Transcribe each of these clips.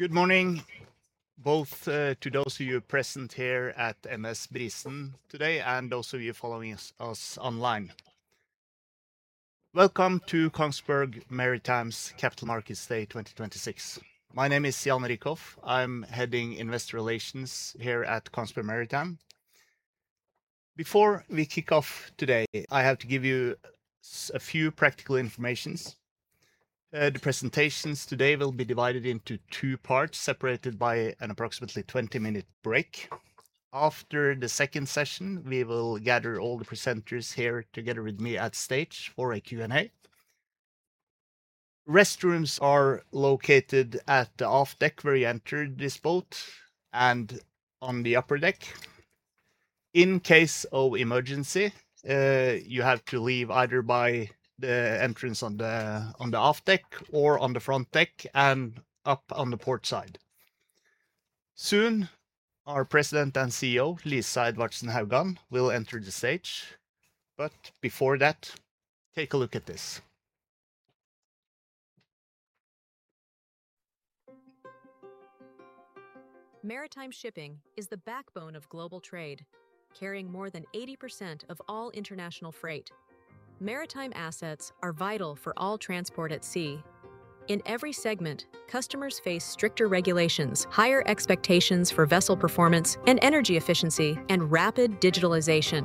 Good morning, both to those of you present here at MS Brisen today and those of you following us online. Welcome to Kongsberg Maritime's Capital Markets Day 2026. My name is Jan Rickhoff. I'm heading Investor Relations here at Kongsberg Maritime. Before we kick off today, I have to give you a few practical information. The presentations today will be divided into two parts, separated by an approximately 20-minute break. After the second session, we will gather all the presenters here together with me at stage for a Q&A. Restrooms are located at the aft deck where you entered this boat and on the upper deck. In case of emergency, you have to leave either by the entrance on the aft deck or on the front deck and up on the port side. Soon, our President and CEO, Lisa Edvardsen Haugan, will enter the stage, before that, take a look at this. Maritime shipping is the backbone of global trade, carrying more than 80% of all international freight. Maritime assets are vital for all transport at sea. In every segment, customers face stricter regulations, higher expectations for vessel performance and energy efficiency, and rapid digitalization.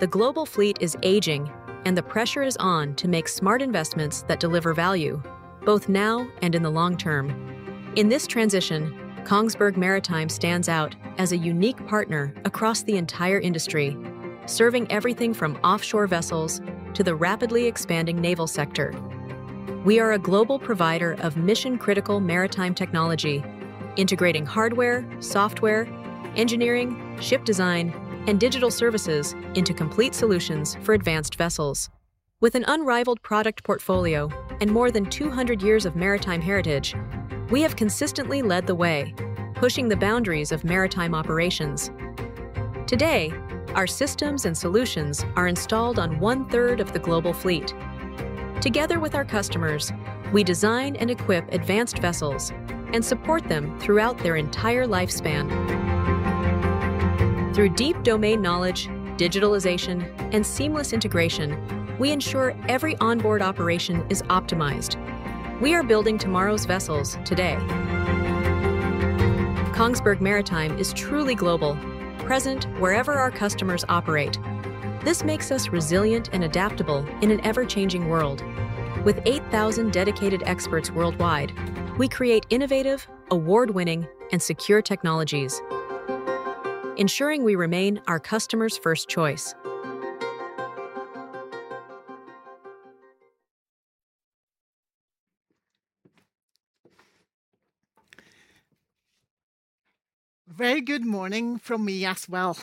The global fleet is aging, and the pressure is on to make smart investments that deliver value both now and in the long term. In this transition, Kongsberg Maritime stands out as a unique partner across the entire industry, serving everything from offshore vessels to the rapidly expanding naval sector. We are a global provider of mission-critical maritime technology, integrating hardware, software, engineering, ship design, and digital services into complete solutions for advanced vessels. With an unrivaled product portfolio and more than 200 years of maritime heritage, we have consistently led the way, pushing the boundaries of maritime operations. Today, our systems and solutions are installed on one-third of the global fleet. Together with our customers, we design and equip advanced vessels and support them throughout their entire lifespan. Through deep domain knowledge, digitalization, and seamless integration, we ensure every onboard operation is optimized. We are building tomorrow's vessels today. Kongsberg Maritime is truly global, present wherever our customers operate. This makes us resilient and adaptable in an ever-changing world. With 8,000 dedicated experts worldwide, we create innovative, award-winning, and secure technologies, ensuring we remain our customers' first choice. Very good morning from me as well.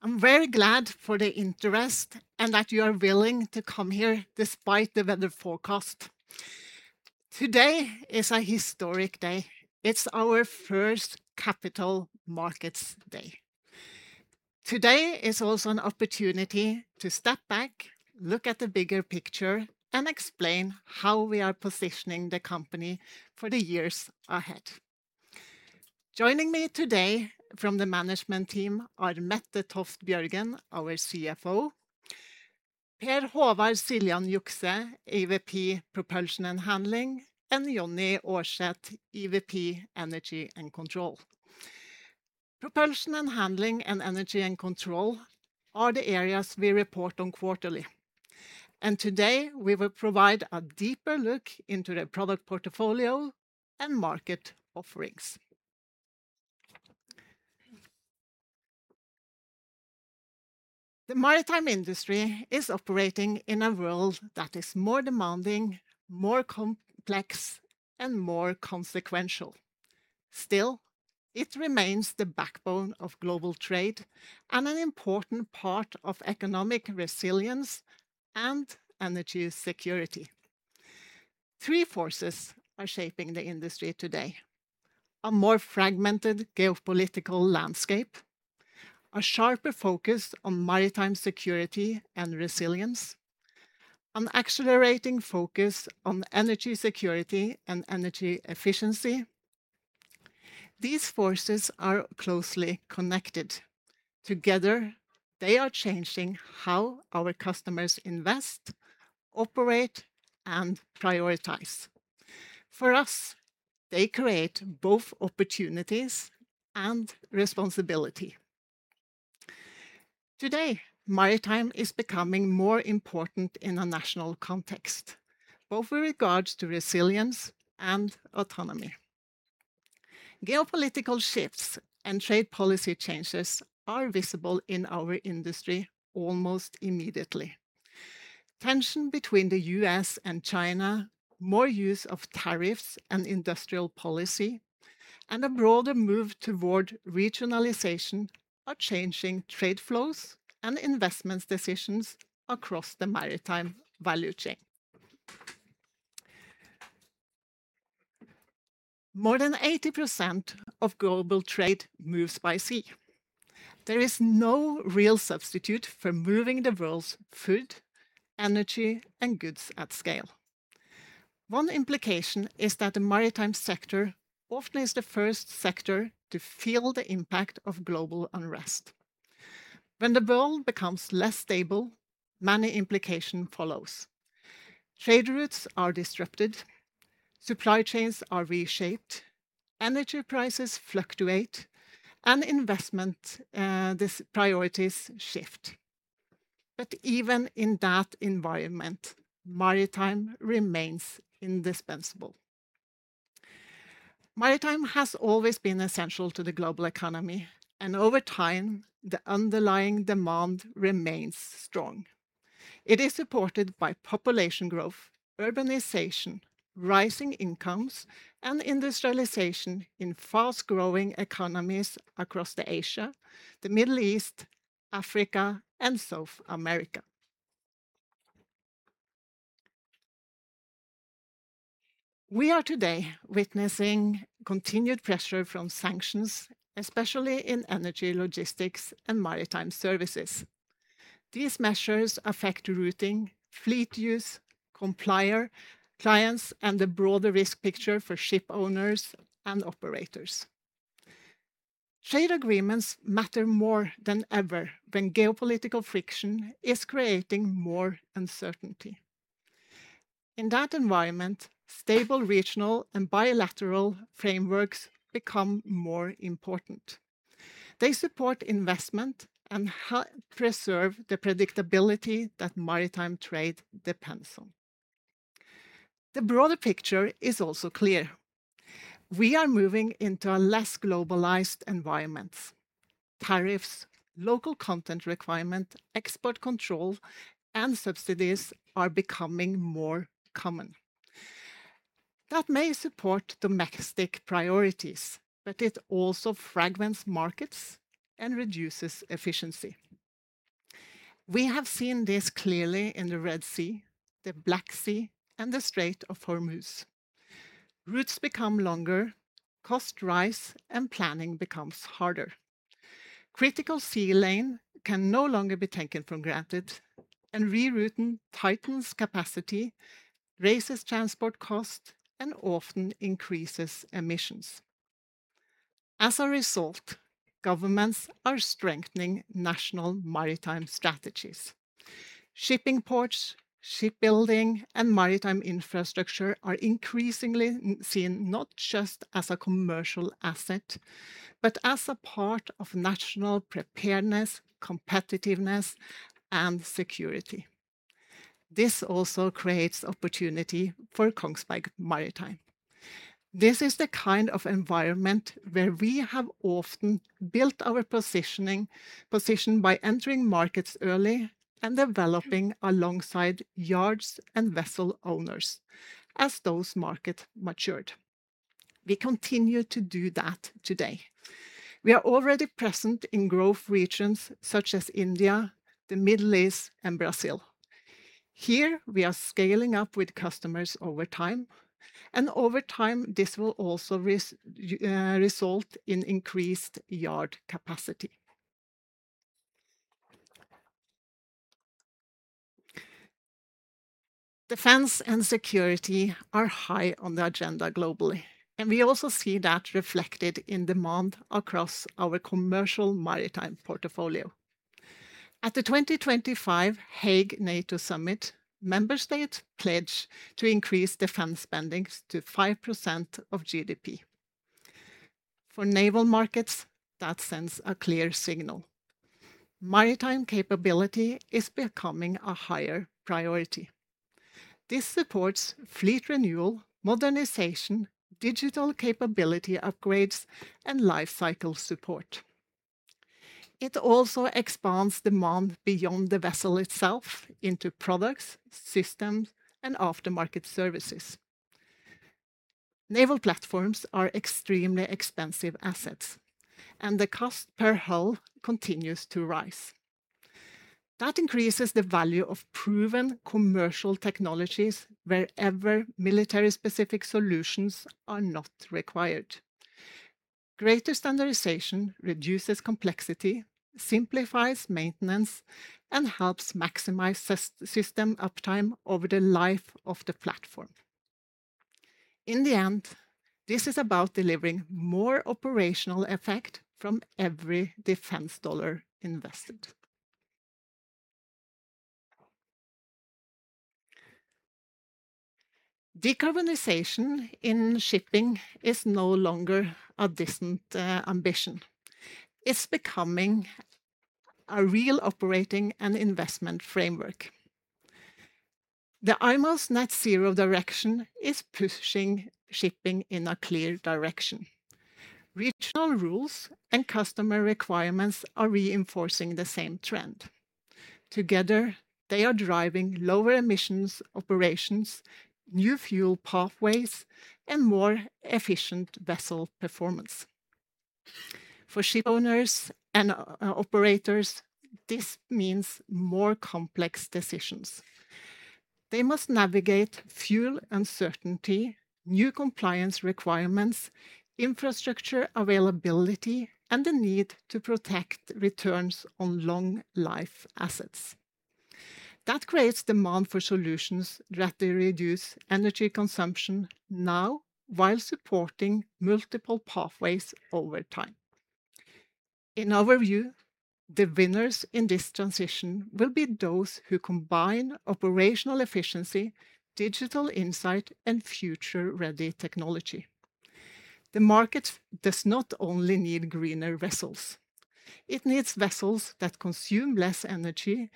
I'm very glad for the interest and that you are willing to come here despite the weather forecast. Today is a historic day. It's our first Capital Markets Day. Today is also an opportunity to step back, look at the bigger picture, and explain how we are positioning the company for the years ahead. Joining me today from the management team are Mette Toft Bjørgen, our CFO, Per Håvard Siljan Hjukse, EVP Propulsion and Handling, and Johnny Aarseth, EVP Energy and Control. Propulsion and Handling, and Energy and Control are the areas we report on quarterly, and today, we will provide a deeper look into the product portfolio and market offerings. The maritime industry is operating in a world that is more demanding, more complex, and more consequential. It remains the backbone of global trade and an important part of economic resilience and energy security. Three forces are shaping the industry today. A more fragmented geopolitical landscape, a sharper focus on maritime security and resilience, an accelerating focus on energy security and energy efficiency. These forces are closely connected. Together, they are changing how our customers invest, operate, and prioritize. For us, they create both opportunities and responsibility. Today, maritime is becoming more important in a national context, both with regards to resilience and autonomy. Geopolitical shifts and trade policy changes are visible in our industry almost immediately. Tension between the U.S. and China, more use of tariffs and industrial policy, and a broader move toward regionalization are changing trade flows and investments decisions across the maritime value chain. More than 80% of global trade moves by sea. There is no real substitute for moving the world's food, energy, and goods at scale. One implication is that the maritime sector often is the first sector to feel the impact of global unrest. When the world becomes less stable, many implication follows. Trade routes are disrupted, supply chains are reshaped, energy prices fluctuate, and investment priorities shift. Even in that environment, maritime remains indispensable. Maritime has always been essential to the global economy, and over time, the underlying demand remains strong. It is supported by population growth, urbanization, rising incomes, and industrialization in fast-growing economies across Asia, the Middle East, Africa, and South America. We are today witnessing continued pressure from sanctions, especially in energy, logistics, and maritime services. These measures affect routing, fleet use, compliance, clients, and the broader risk picture for ship owners and operators. Trade agreements matter more than ever when geopolitical friction is creating more uncertainty. In that environment, stable regional and bilateral frameworks become more important. They support investment and help preserve the predictability that maritime trade depends on. The broader picture is also clear. We are moving into a less globalized environment. Tariffs, local content requirement, export control, and subsidies are becoming more common. That may support domestic priorities, but it also fragments markets and reduces efficiency. We have seen this clearly in the Red Sea, the Black Sea, and the Strait of Hormuz. Routes become longer, costs rise, and planning becomes harder. Critical sea lane can no longer be taken for granted, and rerouting tightens capacity, raises transport costs, and often increases emissions. As a result, governments are strengthening national maritime strategies. Shipping ports, shipbuilding, and maritime infrastructure are increasingly seen not just as a commercial asset, but as a part of national preparedness, competitiveness, and security. This also creates opportunity for Kongsberg Maritime. This is the kind of environment where we have often built our position by entering markets early and developing alongside yards and vessel owners as those markets matured. We continue to do that today. We are already present in growth regions such as India, the Middle East, and Brazil. Here, we are scaling up with customers over time, and over time, this will also result in increased yard capacity. Defense and security are high on the agenda globally, and we also see that reflected in demand across our commercial maritime portfolio. At the 2025 Hague NATO Summit, member states pledged to increase defense spending to 5% of GDP. For naval markets, that sends a clear signal. Maritime capability is becoming a higher priority. This supports fleet renewal, modernization, digital capability upgrades, and life cycle support. It also expands demand beyond the vessel itself into products, systems, and aftermarket services. Naval platforms are extremely expensive assets, and the cost per hull continues to rise. That increases the value of proven commercial technologies wherever military-specific solutions are not required. Greater standardization reduces complexity, simplifies maintenance, and helps maximize system uptime over the life of the platform. In the end, this is about delivering more operational effect from every defense dollar invested. Decarbonization in shipping is no longer a distant ambition. It's becoming a real operating and investment framework. The IMO's net zero direction is pushing shipping in a clear direction. Regional rules and customer requirements are reinforcing the same trend. Together, they are driving lower emissions operations, new fuel pathways, and more efficient vessel performance. For ship owners and operators, this means more complex decisions. They must navigate fuel uncertainty, new compliance requirements, infrastructure availability, and the need to protect returns on long life assets. That creates demand for solutions that reduce energy consumption now while supporting multiple pathways over time. In our view, the winners in this transition will be those who combine operational efficiency, digital insight, and future-ready technology. The market does not only need greener vessels, it needs vessels that consume less energy,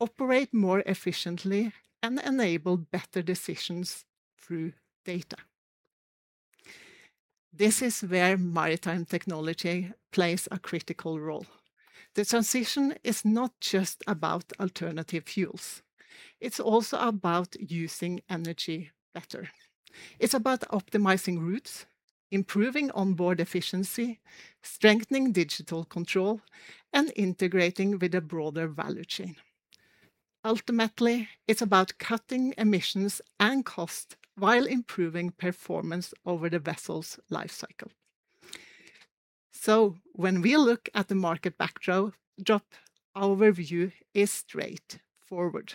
operate more efficiently, and enable better decisions through data. This is where maritime technology plays a critical role. The transition is not just about alternative fuels, it's also about using energy better. It's about optimizing routes, improving onboard efficiency, strengthening digital control, and integrating with a broader value chain. Ultimately, it's about cutting emissions and cost while improving performance over the vessel's life cycle. When we look at the market backdrop, our view is straightforward.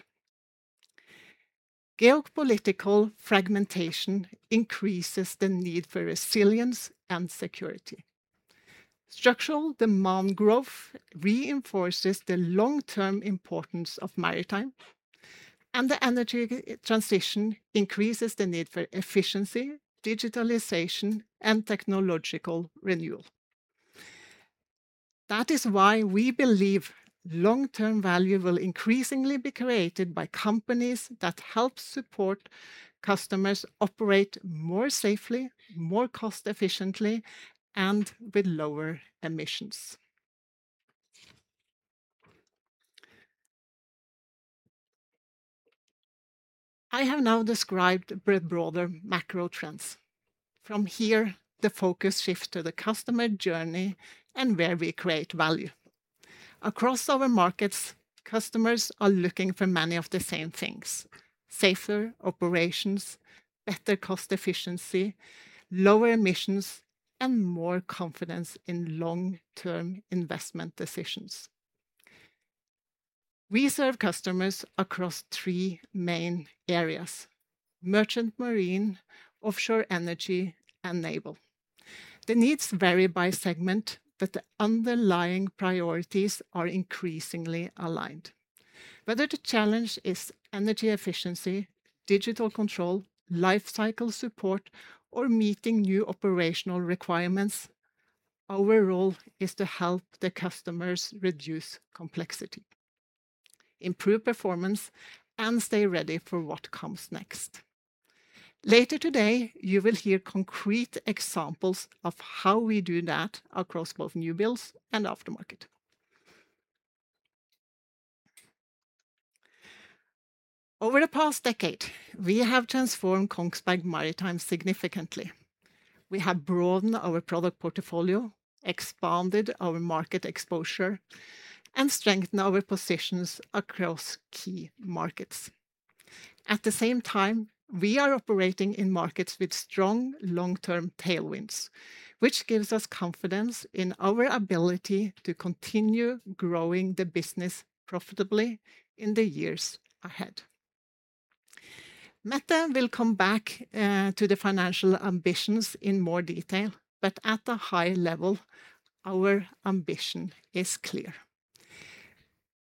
Geopolitical fragmentation increases the need for resilience and security. Structural demand growth reinforces the long-term importance of maritime, and the energy transition increases the need for efficiency, digitalization, and technological renewal. That is why we believe long-term value will increasingly be created by companies that help support customers operate more safely, more cost efficiently, and with lower emissions. I have now described the broader macro trends. From here, the focus shifts to the customer journey and where we create value. Across our markets, customers are looking for many of the same things: safer operations, better cost efficiency, lower emissions, and more confidence in long-term investment decisions. We serve customers across three main areas: merchant marine, offshore energy, and naval. The needs vary by segment, but the underlying priorities are increasingly aligned. Whether the challenge is energy efficiency, digital control, life cycle support, or meeting new operational requirements, our role is to help the customers reduce complexity, improve performance, and stay ready for what comes next. Later today, you will hear concrete examples of how we do that across both new builds and aftermarket. Over the past decade, we have transformed Kongsberg Maritime significantly. We have broadened our product portfolio, expanded our market exposure, and strengthened our positions across key markets. At the same time, we are operating in markets with strong long-term tailwinds, which gives us confidence in our ability to continue growing the business profitably in the years ahead. Mette will come back to the financial ambitions in more detail, but at a high level, our ambition is clear.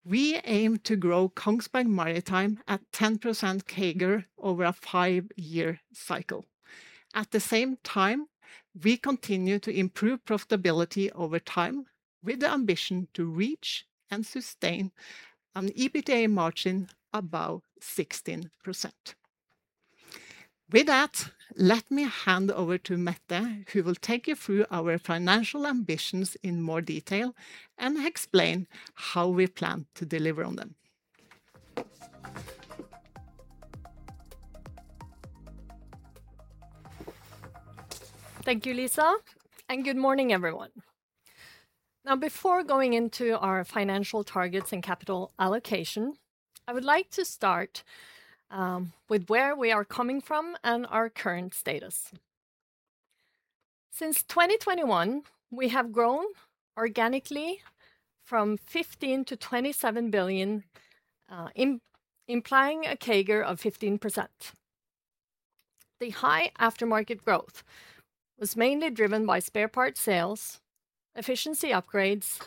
We aim to grow Kongsberg Maritime at 10% CAGR over a five-year cycle. At the same time, we continue to improve profitability over time with the ambition to reach and sustain an EBITDA margin above 16%. With that, let me hand over to Mette, who will take you through our financial ambitions in more detail and explain how we plan to deliver on them. Thank you, Lisa, and good morning, everyone. Before going into our financial targets and capital allocation, I would like to start with where we are coming from and our current status. Since 2021, we have grown organically from 15 billion-27 billion, implying a CAGR of 15%. The high aftermarket growth was mainly driven by spare parts sales, efficiency upgrades,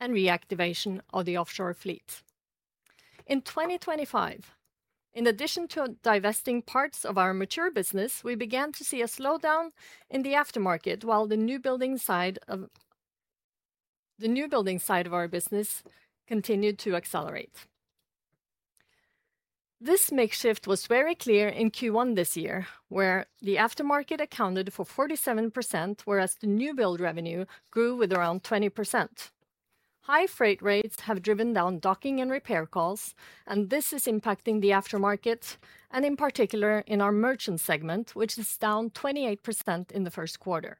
and reactivation of the offshore fleet. In 2025, in addition to divesting parts of our mature business, we began to see a slowdown in the aftermarket, while the new building side of our business continued to accelerate. This mix shift was very clear in Q1 this year, where the aftermarket accounted for 47%, whereas the new build revenue grew with around 20%. High freight rates have driven down docking and repair calls, and this is impacting the aftermarket, and in particular, in our merchant segment, which is down 28% in the first quarter.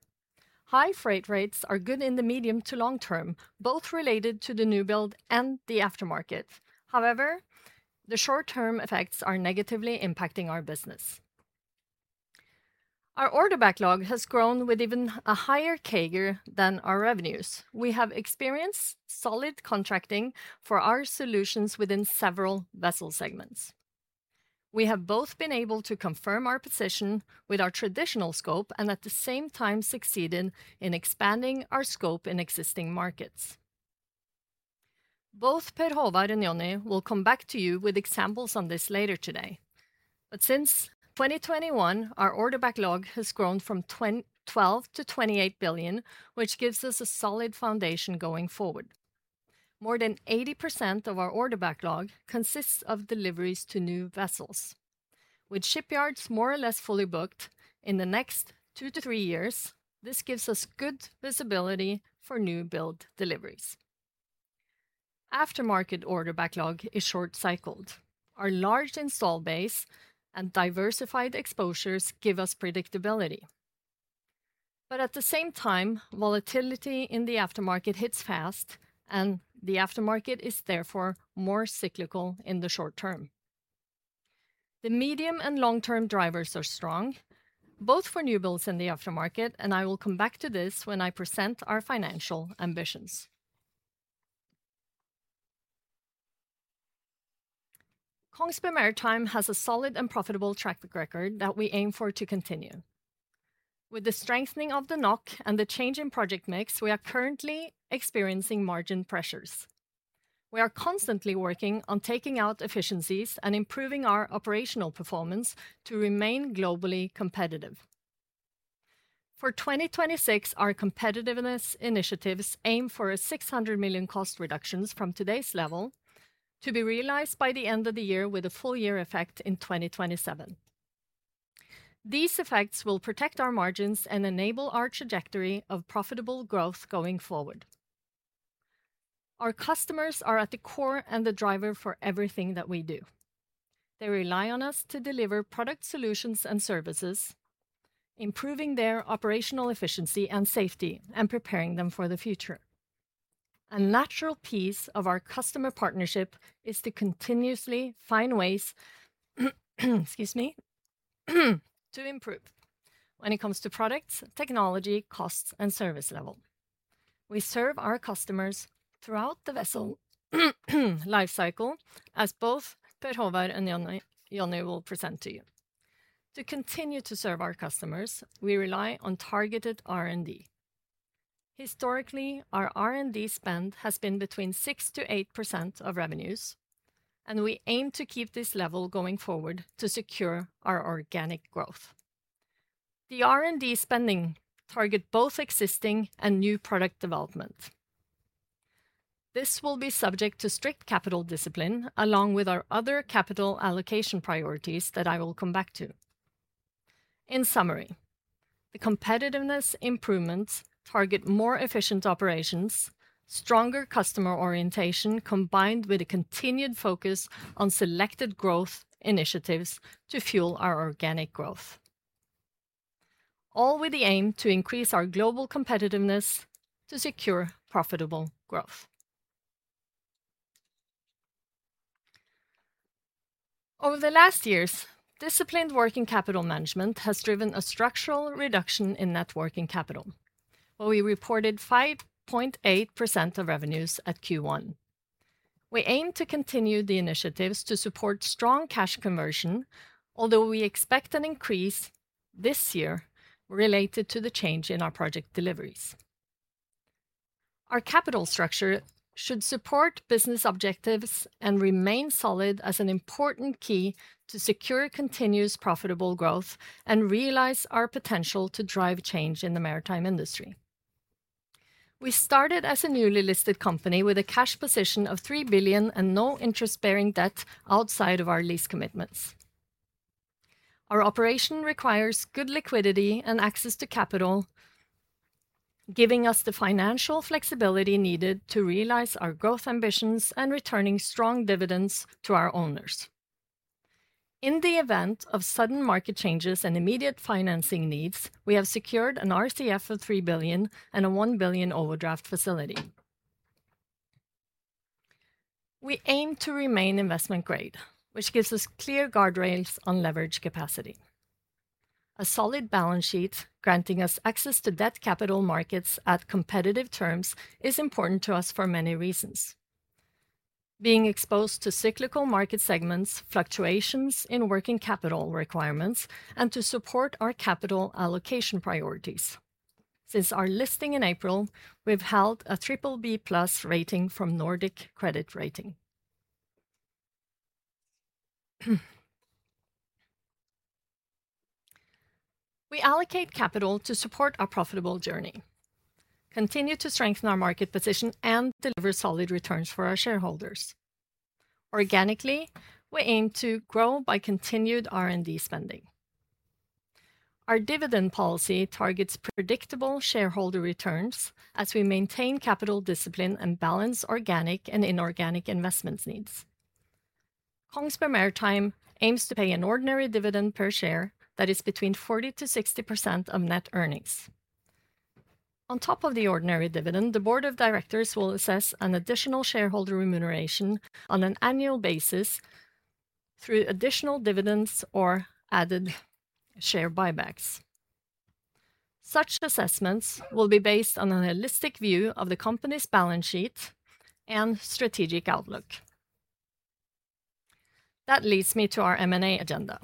High freight rates are good in the medium to long term, both related to the new build and the aftermarket. However, the short-term effects are negatively impacting our business. Our order backlog has grown with even a higher CAGR than our revenues. We have experienced solid contracting for our solutions within several vessel segments. We have both been able to confirm our position with our traditional scope and at the same time succeeded in expanding our scope in existing markets. Both Per Håvard and Johnny will come back to you with examples on this later today. Since 2021, our order backlog has grown from 12 billion-28 billion, which gives us a solid foundation going forward. More than 80% of our order backlog consists of deliveries to new vessels. With shipyards more or less fully booked in the next 2 to 3 years, this gives us good visibility for new build deliveries. Aftermarket order backlog is short cycled. Our large install base and diversified exposures give us predictability. At the same time, volatility in the aftermarket hits fast, and the aftermarket is therefore more cyclical in the short term. The medium and long-term drivers are strong, both for new builds in the aftermarket, and I will come back to this when I present our financial ambitions. Kongsberg Maritime has a solid and profitable track record that we aim for to continue. With the strengthening of the NOK and the change in project mix, we are currently experiencing margin pressures. We are constantly working on taking out efficiencies and improving our operational performance to remain globally competitive. For 2026, our competitiveness initiatives aim for a 600 million cost reductions from today's level to be realized by the end of the year with a full-year effect in 2027. These effects will protect our margins and enable our trajectory of profitable growth going forward. Our customers are at the core and the driver for everything that we do. They rely on us to deliver product solutions and services, improving their operational efficiency and safety, and preparing them for the future. A natural piece of our customer partnership is to continuously find ways, excuse me, to improve when it comes to products, technology, costs, and service level. We serve our customers throughout the vessel life cycle as both Per Håvard and Johnny will present to you. To continue to serve our customers, we rely on targeted R&D. Historically, our R&D spend has been between 6%-8% of revenues, and we aim to keep this level going forward to secure our organic growth. The R&D spending target both existing and new product development. This will be subject to strict capital discipline, along with our other capital allocation priorities that I will come back to. In summary, the competitiveness improvements target more efficient operations, stronger customer orientation, combined with a continued focus on selected growth initiatives to fuel our organic growth, all with the aim to increase our global competitiveness to secure profitable growth. Over the last years, disciplined working capital management has driven a structural reduction in net working capital, where we reported 5.8% of revenues at Q1. We aim to continue the initiatives to support strong cash conversion, although we expect an increase this year related to the change in our project deliveries. Our capital structure should support business objectives and remain solid as an important key to secure continuous profitable growth and realize our potential to drive change in the maritime industry. We started as a newly listed company with a cash position of 3 billion and no interest-bearing debt outside of our lease commitments. Our operation requires good liquidity and access to capital, giving us the financial flexibility needed to realize our growth ambitions and returning strong dividends to our owners. In the event of sudden market changes and immediate financing needs, we have secured an RCF of 3 billion and a 1 billion overdraft facility. We aim to remain investment grade, which gives us clear guardrails on leverage capacity. A solid balance sheet granting us access to debt capital markets at competitive terms is important to us for many reasons. Being exposed to cyclical market segments, fluctuations in working capital requirements, and to support our capital allocation priorities. Since our listing in April, we've held a BBB+ rating from Nordic Credit Rating. We allocate capital to support our profitable journey, continue to strengthen our market position, and deliver solid returns for our shareholders. Organically, we aim to grow by continued R&D spending. Our dividend policy targets predictable shareholder returns as we maintain capital discipline and balance organic and inorganic investment needs. Kongsberg Maritime aims to pay an ordinary dividend per share that is between 40%-60% of net earnings. On top of the ordinary dividend, the board of directors will assess an additional shareholder remuneration on an annual basis through additional dividends or added share buybacks. Such assessments will be based on a holistic view of the company's balance sheet and strategic outlook. That leads me to our M&A agenda.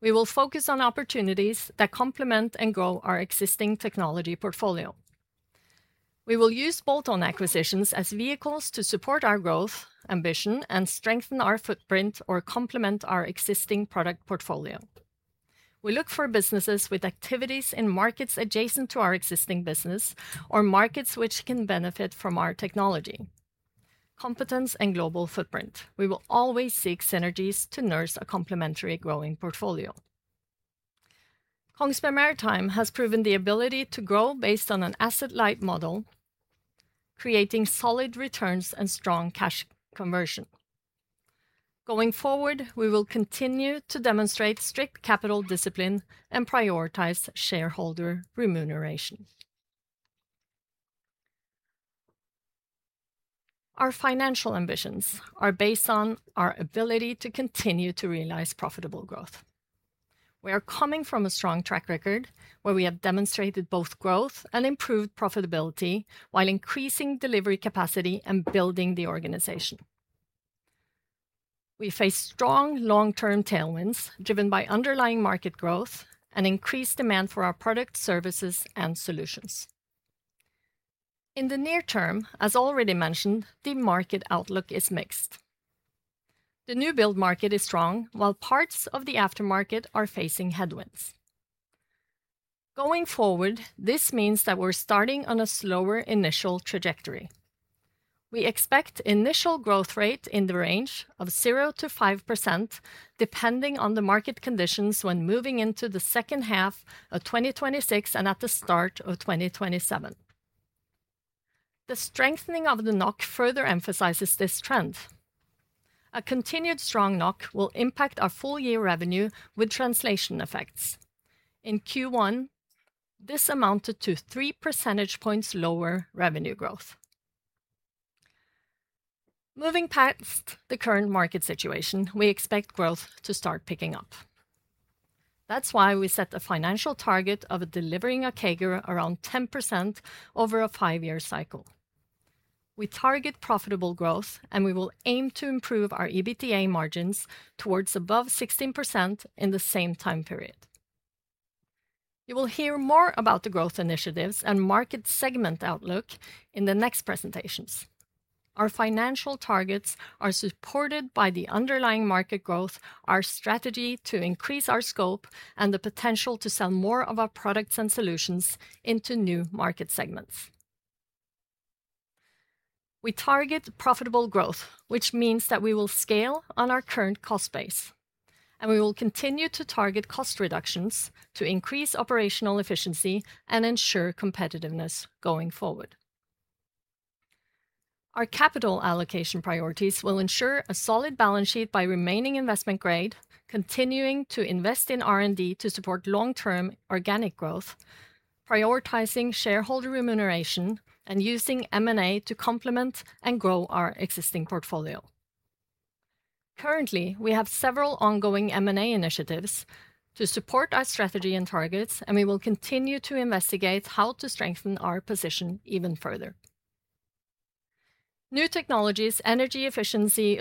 We will focus on opportunities that complement and grow our existing technology portfolio. We will use bolt-on acquisitions as vehicles to support our growth ambition and strengthen our footprint or complement our existing product portfolio. We look for businesses with activities in markets adjacent to our existing business or markets which can benefit from our technology, competence, and global footprint. We will always seek synergies to nurse a complementary growing portfolio. Kongsberg Maritime has proven the ability to grow based on an asset-light model, creating solid returns and strong cash conversion. Going forward, we will continue to demonstrate strict capital discipline and prioritize shareholder remuneration. Our financial ambitions are based on our ability to continue to realize profitable growth. We are coming from a strong track record where we have demonstrated both growth and improved profitability while increasing delivery capacity and building the organization. We face strong long-term tailwinds driven by underlying market growth and increased demand for our products, services, and solutions. In the near term, as already mentioned, the market outlook is mixed. The new build market is strong while parts of the aftermarket are facing headwinds. Going forward, this means that we're starting on a slower initial trajectory. We expect initial growth rate in the range of 0%-5%, depending on the market conditions when moving into the second half of 2026 and at the start of 2027. The strengthening of the NOK further emphasizes this trend. A continued strong NOK will impact our full year revenue with translation effects. In Q1, this amounted to three percentage points lower revenue growth. Moving past the current market situation, we expect growth to start picking up. That's why we set a financial target of delivering a CAGR around 10% over a five-year cycle. We target profitable growth, and we will aim to improve our EBITDA margins towards above 16% in the same time period. You will hear more about the growth initiatives and market segment outlook in the next presentations. Our financial targets are supported by the underlying market growth, our strategy to increase our scope, and the potential to sell more of our products and solutions into new market segments. We target profitable growth, which means that we will scale on our current cost base, and we will continue to target cost reductions to increase operational efficiency and ensure competitiveness going forward. Our capital allocation priorities will ensure a solid balance sheet by remaining investment grade, continuing to invest in R&D to support long-term organic growth, prioritizing shareholder remuneration, and using M&A to complement and grow our existing portfolio. Currently, we have several ongoing M&A initiatives to support our strategy and targets, and we will continue to investigate how to strengthen our position even further. New technologies, energy efficiency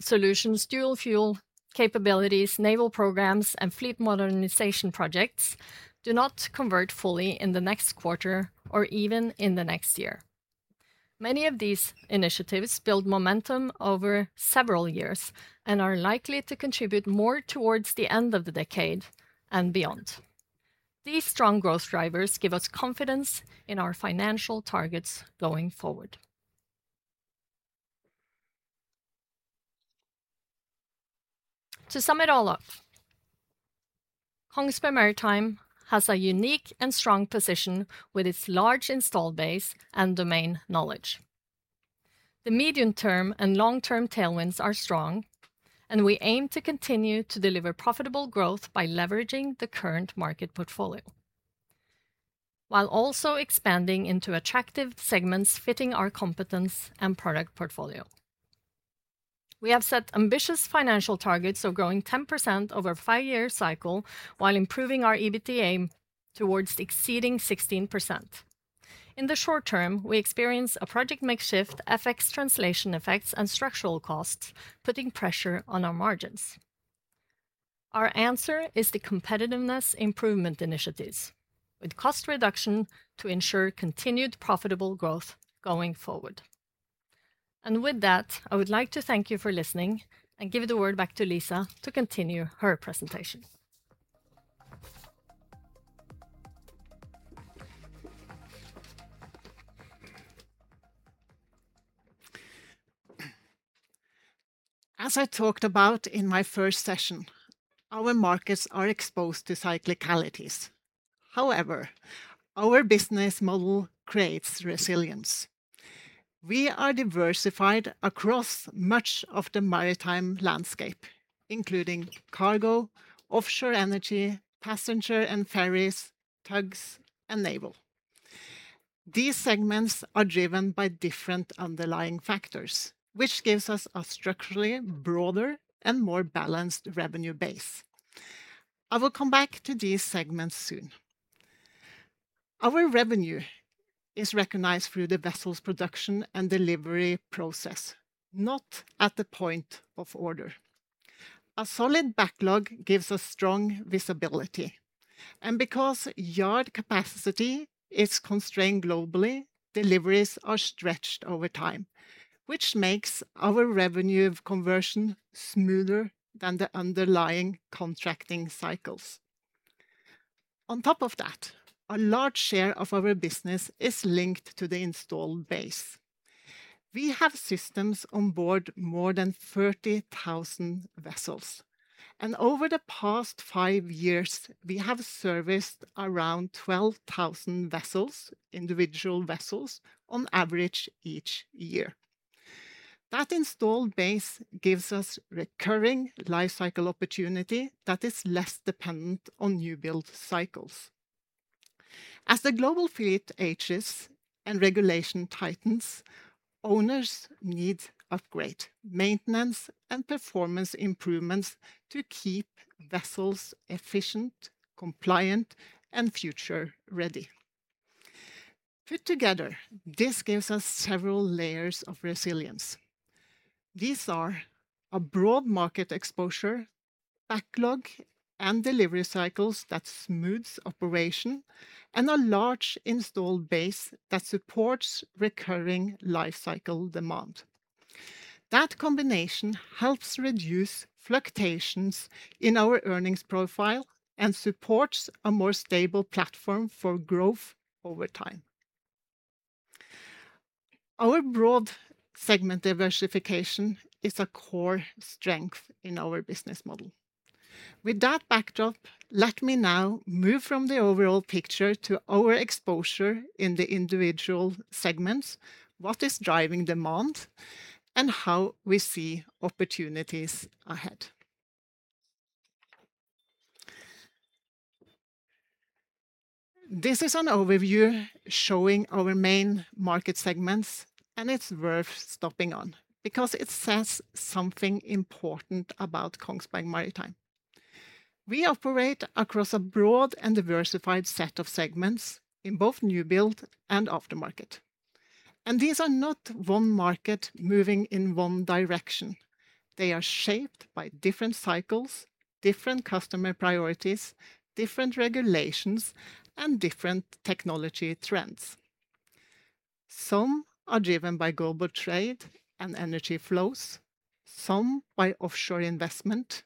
solutions, dual-fuel capabilities, naval programs, and fleet modernization projects do not convert fully in the next quarter or even in the next year. Many of these initiatives build momentum over several years and are likely to contribute more towards the end of the decade and beyond. These strong growth drivers give us confidence in our financial targets going forward. To sum it all up, Kongsberg Maritime has a unique and strong position with its large install base and domain knowledge. The medium-term and long-term tailwinds are strong, and we aim to continue to deliver profitable growth by leveraging the current market portfolio, while also expanding into attractive segments fitting our competence and product portfolio. We have set ambitious financial targets of growing 10% over a five-year cycle while improving our EBITDA towards exceeding 16%. In the short term, we experience a project mix shift, FX translation effects, and structural costs putting pressure on our margins. Our answer is the competitiveness improvement initiatives with cost reduction to ensure continued profitable growth going forward. With that, I would like to thank you for listening and give the word back to Lisa to continue her presentation. As I talked about in my first session, our markets are exposed to cyclicalities. However, our business model creates resilience. We are diversified across much of the maritime landscape, including cargo, offshore energy, passenger and ferries, tugs, and naval. These segments are driven by different underlying factors, which gives us a structurally broader and more balanced revenue base. I will come back to these segments soon. Our revenue is recognized through the vessel's production and delivery process, not at the point of order. A solid backlog gives us strong visibility, and because yard capacity is constrained globally, deliveries are stretched over time, which makes our revenue conversion smoother than the underlying contracting cycles. On top of that, a large share of our business is linked to the installed base. We have systems on board more than 30,000 vessels, and over the past five years, we have serviced around 12,000 individual vessels on average each year. That installed base gives us recurring life cycle opportunity that is less dependent on new build cycles. As the global fleet ages and regulation tightens, owners need upgrade, maintenance, and performance improvements to keep vessels efficient, compliant, and future ready. Put together, this gives us several layers of resilience. These are a broad market exposure, backlog and delivery cycles that smooth operation, and a large installed base that supports recurring life cycle demand. That combination helps reduce fluctuations in our earnings profile and supports a more stable platform for growth over time. Our broad segment diversification is a core strength in our business model. With that backdrop, let me now move from the overall picture to our exposure in the individual segments, what is driving demand, and how we see opportunities ahead. This is an overview showing our main market segments, and it's worth stopping on because it says something important about Kongsberg Maritime. We operate across a broad and diversified set of segments in both new build and aftermarket. These are not one market moving in one direction. They are shaped by different cycles, different customer priorities, different regulations, and different technology trends. Some are driven by global trade and energy flows, some by offshore investment,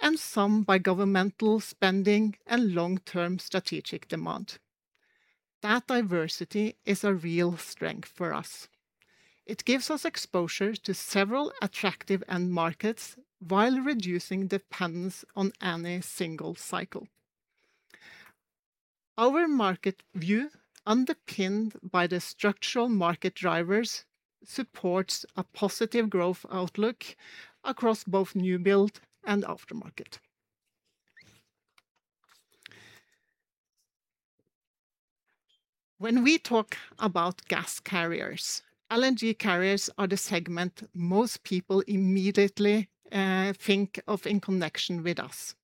and some by governmental spending and long-term strategic demand. That diversity is a real strength for us. It gives us exposure to several attractive end markets while reducing dependence on any single cycle. Our market view, underpinned by the structural market drivers, supports a positive growth outlook across both new build and aftermarket. When we talk about gas carriers, LNG carriers are the segment most people immediately think of in connection with us.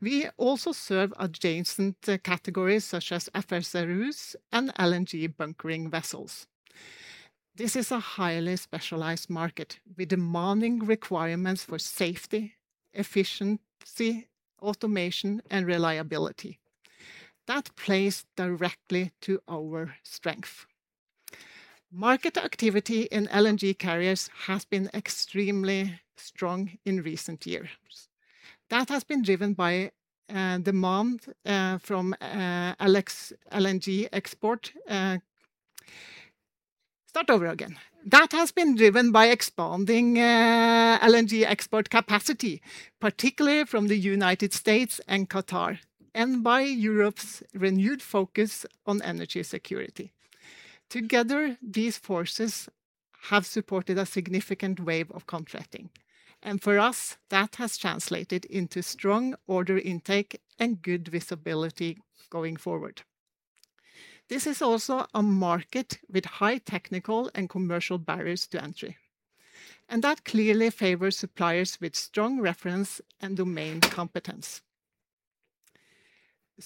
We also serve adjacent categories such as FSRUs and LNG bunkering vessels. This is a highly specialized market with demanding requirements for safety, efficiency, automation, and reliability. That plays directly to our strength. Market activity in LNG carriers has been extremely strong in recent years. That has been driven by expanding LNG export capacity, particularly from the United States and Qatar, and by Europe's renewed focus on energy security. Together, these forces have supported a significant wave of contracting, and for us, that has translated into strong order intake and good visibility going forward. This is also a market with high technical and commercial barriers to entry, and that clearly favors suppliers with strong reference and domain competence.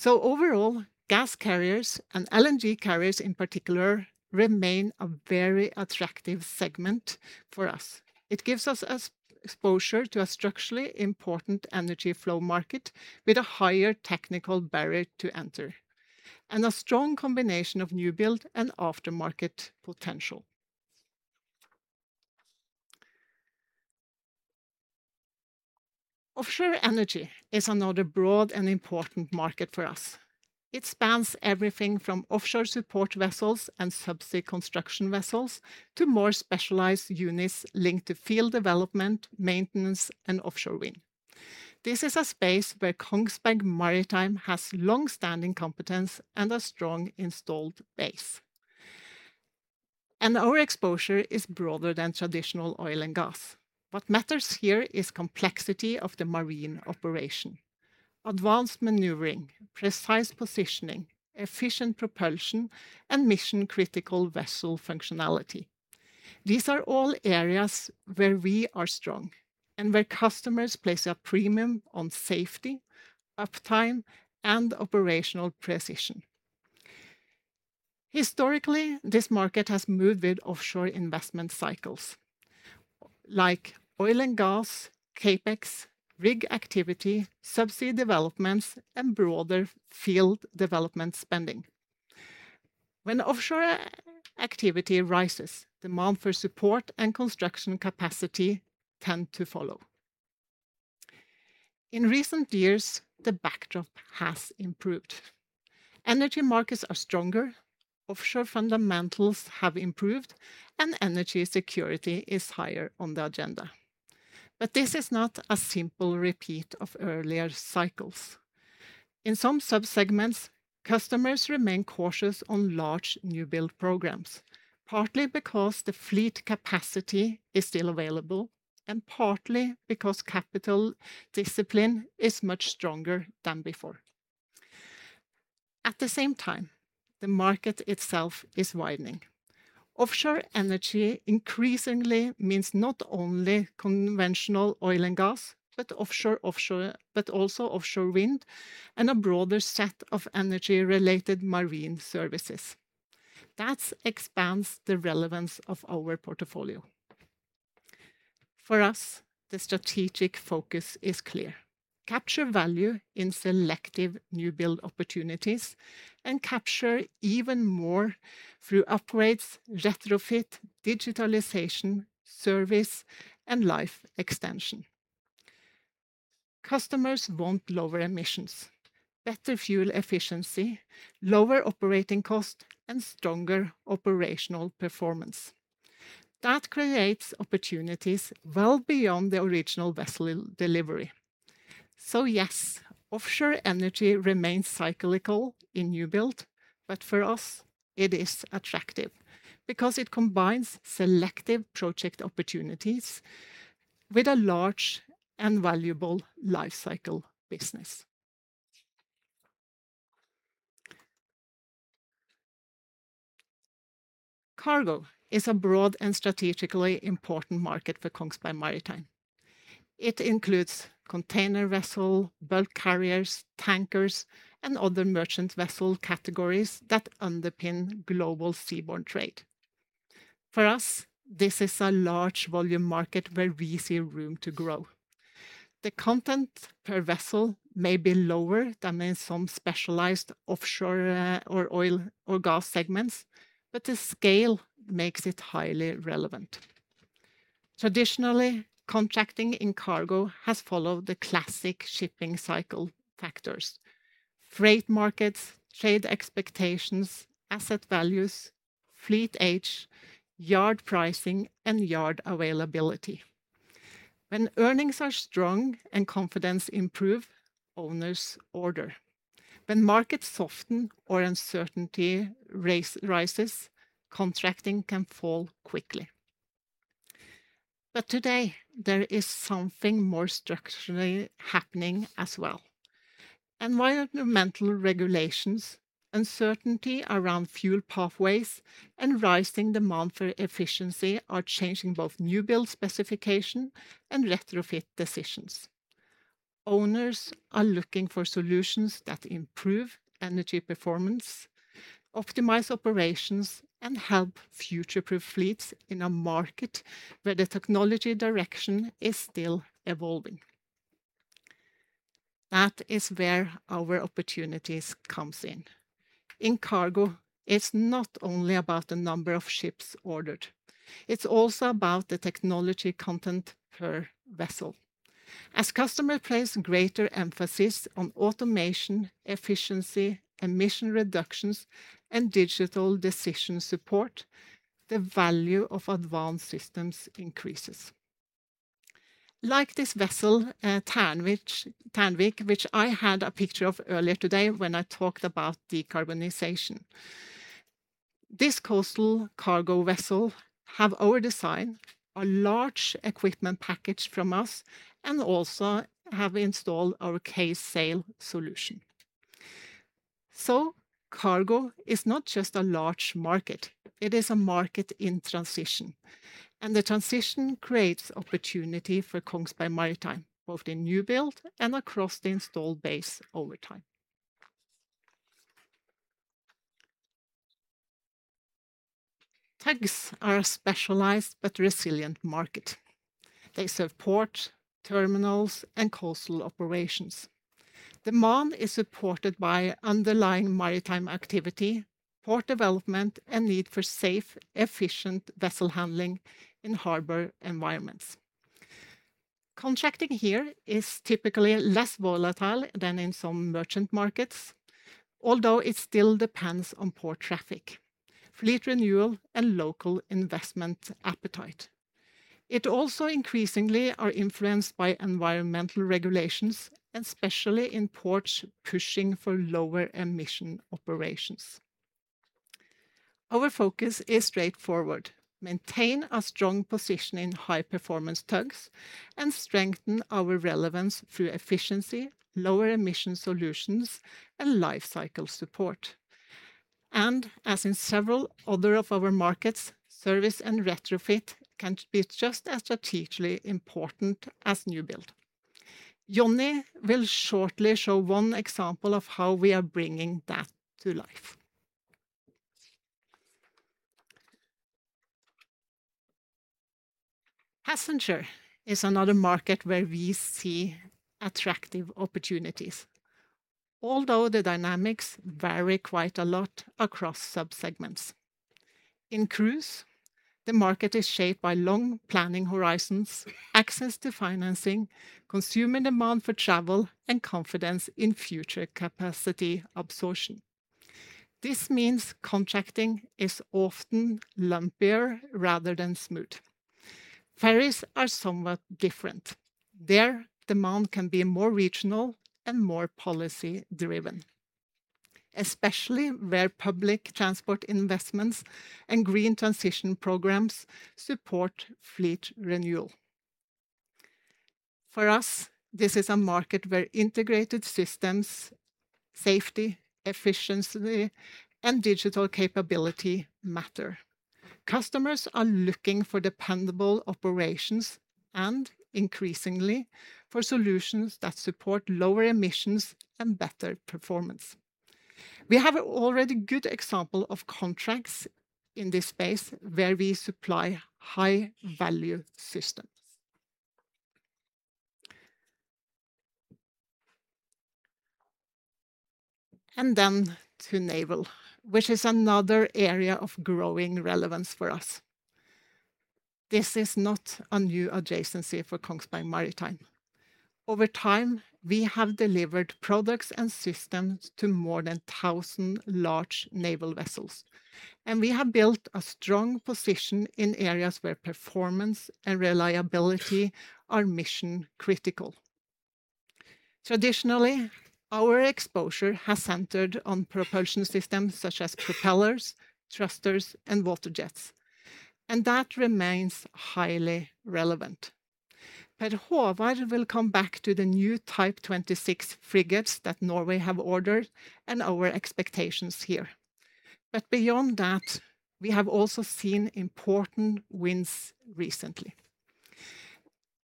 Overall, gas carriers and LNG carriers in particular remain a very attractive segment for us. It gives us exposure to a structurally important energy flow market with a higher technical barrier to enter and a strong combination of new build and aftermarket potential. Offshore energy is another broad and important market for us. It spans everything from offshore support vessels and subsea construction vessels to more specialized units linked to field development, maintenance, and offshore wind. This is a space where Kongsberg Maritime has longstanding competence and a strong installed base. Our exposure is broader than traditional oil and gas. What matters here is complexity of the marine operation, advanced maneuvering, precise positioning, efficient propulsion, and mission-critical vessel functionality. These are all areas where we are strong and where customers place a premium on safety, uptime, and operational precision. Historically, this market has moved with offshore investment cycles like oil and gas, CapEx, rig activity, subsea developments, and broader field development spending. When offshore activity rises, demand for support and construction capacity tend to follow. In recent years, the backdrop has improved. Energy markets are stronger, offshore fundamentals have improved, and energy security is higher on the agenda. This is not a simple repeat of earlier cycles. In some subsegments, customers remain cautious on large new build programs, partly because the fleet capacity is still available and partly because capital discipline is much stronger than before. At the same time, the market itself is widening. Offshore energy increasingly means not only conventional oil and gas, but also offshore wind and a broader set of energy-related marine services. That expands the relevance of our portfolio. For us, the strategic focus is clear: capture value in selective new build opportunities and capture even more through upgrades, retrofit, digitalization, service, and life extension. Customers want lower emissions, better fuel efficiency, lower operating cost, and stronger operational performance. That creates opportunities well beyond the original vessel delivery. Yes, offshore energy remains cyclical in new build, but for us it is attractive because it combines selective project opportunities with a large and valuable life cycle business. Cargo is a broad and strategically important market for Kongsberg Maritime. It includes container vessel, bulk carriers, tankers, and other merchant vessel categories that underpin global seaborne trade. For us, this is a large volume market where we see room to grow. The content per vessel may be lower than in some specialized offshore or oil or gas segments, but the scale makes it highly relevant. Traditionally, contracting in cargo has followed the classic shipping cycle factors, freight markets, trade expectations, asset values, fleet age, yard pricing, and yard availability. When earnings are strong and confidence improve, owners order. When markets soften or uncertainty rises, contracting can fall quickly. Today there is something more structurally happening as well. Environmental regulations, uncertainty around fuel pathways, and rising demand for efficiency are changing both new build specification and retrofit decisions. Owners are looking for solutions that improve energy performance, optimize operations, and help future-proof fleets in a market where the technology direction is still evolving. That is where our opportunities comes in. In cargo, it is not only about the number of ships ordered, it is also about the technology content per vessel. As customer place greater emphasis on automation, efficiency, emission reductions, and digital decision support, the value of advanced systems increases. Like this vessel, Tanvik, which I had a picture of earlier today when I talked about decarbonization. This coastal cargo vessel have our design, a large equipment package from us, and also have installed our K-Sail solution. Cargo is not just a large market, it is a market in transition. The transition creates opportunity for Kongsberg Maritime, both in new build and across the installed base over time. Tugs are a specialized but resilient market. They serve port, terminals, and coastal operations. Demand is supported by underlying maritime activity, port development, and need for safe, efficient vessel handling in harbor environments. Contracting here is typically less volatile than in some merchant markets, although it still depends on port traffic, fleet renewal, and local investment appetite. It also increasingly are influenced by environmental regulations, especially in ports pushing for lower emission operations. Our focus is straightforward: maintain a strong position in high-performance tugs and strengthen our relevance through efficiency, lower emission solutions, and life cycle support. As in several other of our markets, service and retrofit can be just as strategically important as new build. Johnny will shortly show one example of how we are bringing that to life. Passenger is another market where we see attractive opportunities, although the dynamics vary quite a lot across sub-segments. In cruise, the market is shaped by long planning horizons, access to financing, consumer demand for travel, and confidence in future capacity absorption. This means contracting is often lumpier rather than smooth. Ferries are somewhat different. There, demand can be more regional and more policy driven, especially where public transport investments and green transition programs support fleet renewal. For us, this is a market where integrated systems, safety, efficiency, and digital capability matter. Customers are looking for dependable operations and, increasingly, for solutions that support lower emissions and better performance. We have already good example of contracts in this space where we supply high-value systems. To naval, which is another area of growing relevance for us. This is not a new adjacency for Kongsberg Maritime. Over time, we have delivered products and systems to more than 1,000 large naval vessels, and we have built a strong position in areas where performance and reliability are mission critical. Traditionally, our exposure has centered on propulsion systems such as propellers, thrusters, and waterjets, and that remains highly relevant. Per Håvard will come back to the new Type 26 frigates that Norway have ordered and our expectations here. Beyond that, we have also seen important wins recently.